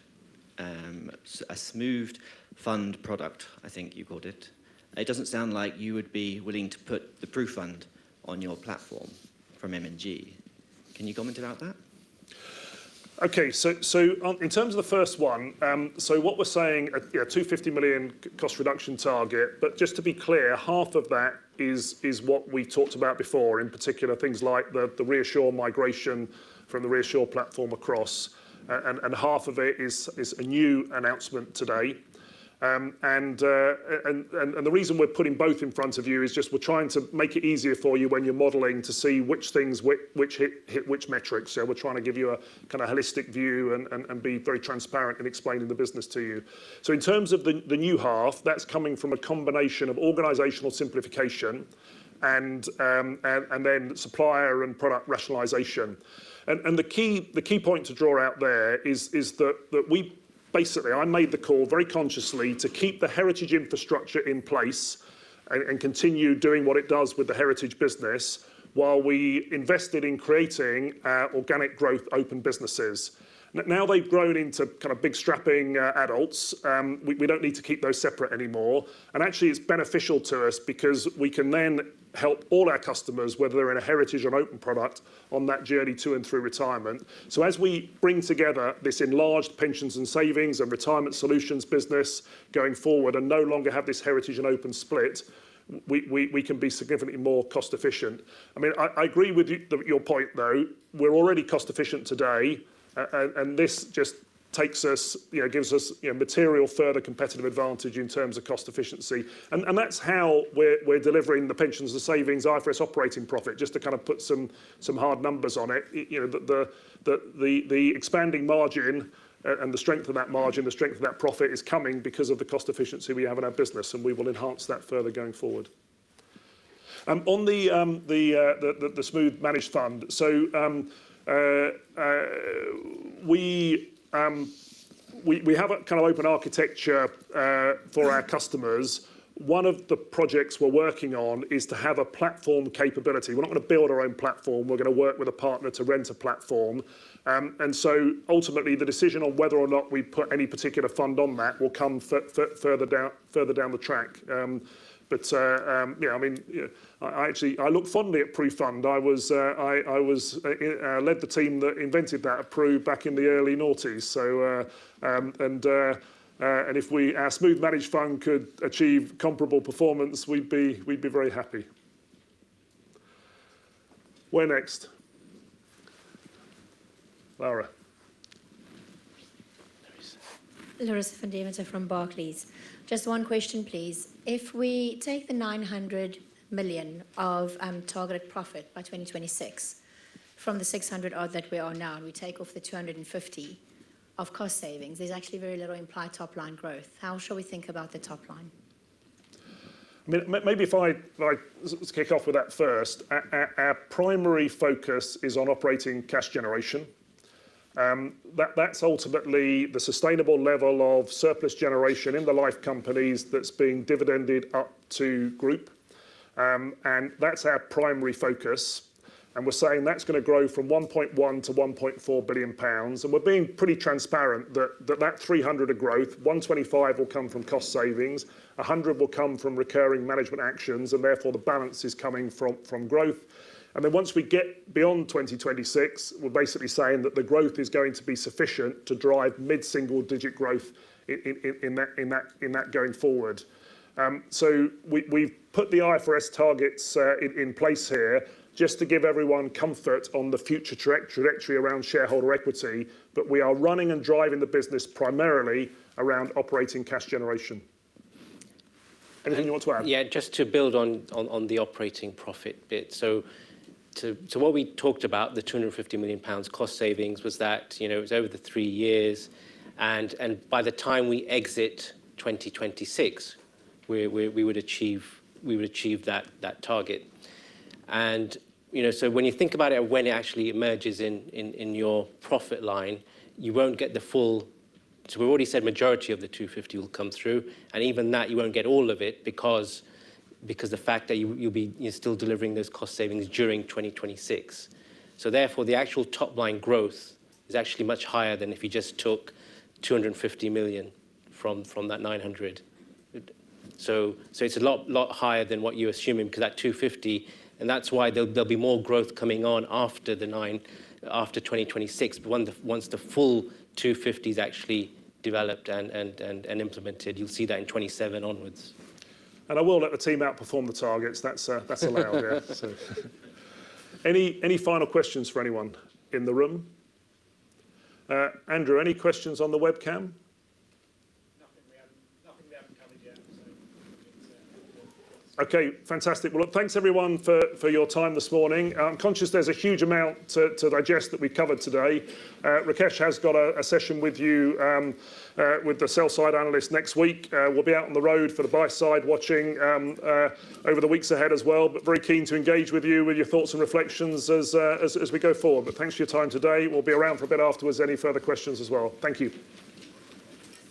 fund product, I think you called it, it doesn't sound like you would be willing to put the PruFund on your platform from M&G. Can you comment about that? OK, so in terms of the first one, so what we're saying, a 250 million cost reduction target. But just to be clear, half of that is what we talked about before, in particular things like the ReAssure migration from the ReAssure platform across. And half of it is a new announcement today. And the reason we're putting both in front of you is just we're trying to make it easier for you when you're modeling to see which things hit which metrics. So we're trying to give you a kind of holistic view and be very transparent in explaining the business to you. So in terms of the new half, that's coming from a combination of organizational simplification and then supplier and product rationalization. The key point to draw out there is that we basically, I made the call very consciously to keep the heritage infrastructure in place and continue doing what it does with the heritage business while we invested in creating organic growth open businesses. Now they've grown into kind of big strapping adults. We don't need to keep those separate anymore. And actually, it's beneficial to us because we can then help all our customers, whether they're in a heritage or an open product, on that journey to and through retirement. So as we bring together this enlarged Pensions and Savings and Retirement Solutions business going forward and no longer have this heritage and open split, we can be significantly more cost efficient. I mean, I agree with your point, though. We're already cost efficient today. And this just gives us material further competitive advantage in terms of cost efficiency. That's how we're delivering the Pensions and Savings IFRS operating profit, just to kind of put some hard numbers on it. The expanding margin and the strength of that margin, the strength of that profit is coming because of the cost efficiency we have in our business. And we will enhance that further going forward. On the smooth managed fund, so we have a kind of open architecture for our customers. One of the projects we're working on is to have a platform capability. We're not going to build our own platform. We're going to work with a partner to rent a platform. And so ultimately, the decision on whether or not we put any particular fund on that will come further down the track. But I mean, I look fondly at PruFund. I led the team that invented that product back in the early 1990s. If our Smooth Managed Fund could achieve comparable performance, we'd be very happy. Where next? Laura. Laura, Stephen Davies here from Barclays. Just one question, please. If we take the 900 million of targeted profit by 2026 from the 600 million odd that we are now and we take off the 250 million of cost savings, there's actually very little implied top line growth. How shall we think about the top line? Maybe if I kick off with that first. Our primary focus is on operating cash generation. That's ultimately the sustainable level of surplus generation in the life companies that's being dividended up to group. And that's our primary focus. And we're saying that's going to grow from 1.1 billion to 1.4 billion pounds. And we're being pretty transparent that that 300 million of growth, 125 million will come from cost savings, 100 million will come from recurring management actions. And therefore, the balance is coming from growth. And then once we get beyond 2026, we're basically saying that the growth is going to be sufficient to drive mid-single digit growth in that going forward. So we've put the IFRS targets in place here just to give everyone comfort on the future trajectory around shareholder equity. But we are running and driving the business primarily around operating cash generation. And then you want to add? Yeah, just to build on the operating profit bit. So what we talked about, the 250 million pounds cost savings, was that it was over the three years. And by the time we exit 2026, we would achieve that target. And so when you think about it, when it actually emerges in your profit line, you won't get the full—so we've already said majority of the 250 will come through. And even that, you won't get all of it because the fact that you'll be still delivering those cost savings during 2026. So therefore, the actual top line growth is actually much higher than if you just took 250 million from that 900. So it's a lot higher than what you assume because that GBP 250—and that's why there'll be more growth coming on after 2026. But once the full 250 is actually developed and implemented, you'll see that in 2027 onwards. I will let the team outperform the targets. That's allowed, yeah. Any final questions for anyone in the room? Andrew, any questions on the webcam? Nothing that I've covered yet. OK, fantastic. Well, thanks, everyone, for your time this morning. I'm conscious there's a huge amount to digest that we've covered today. Rakesh has got a session with you, with the sell-side analyst, next week. We'll be out on the road for the buy-side watching over the weeks ahead as well, but very keen to engage with you with your thoughts and reflections as we go forward. But thanks for your time today. We'll be around for a bit afterwards for any further questions as well. Thank you.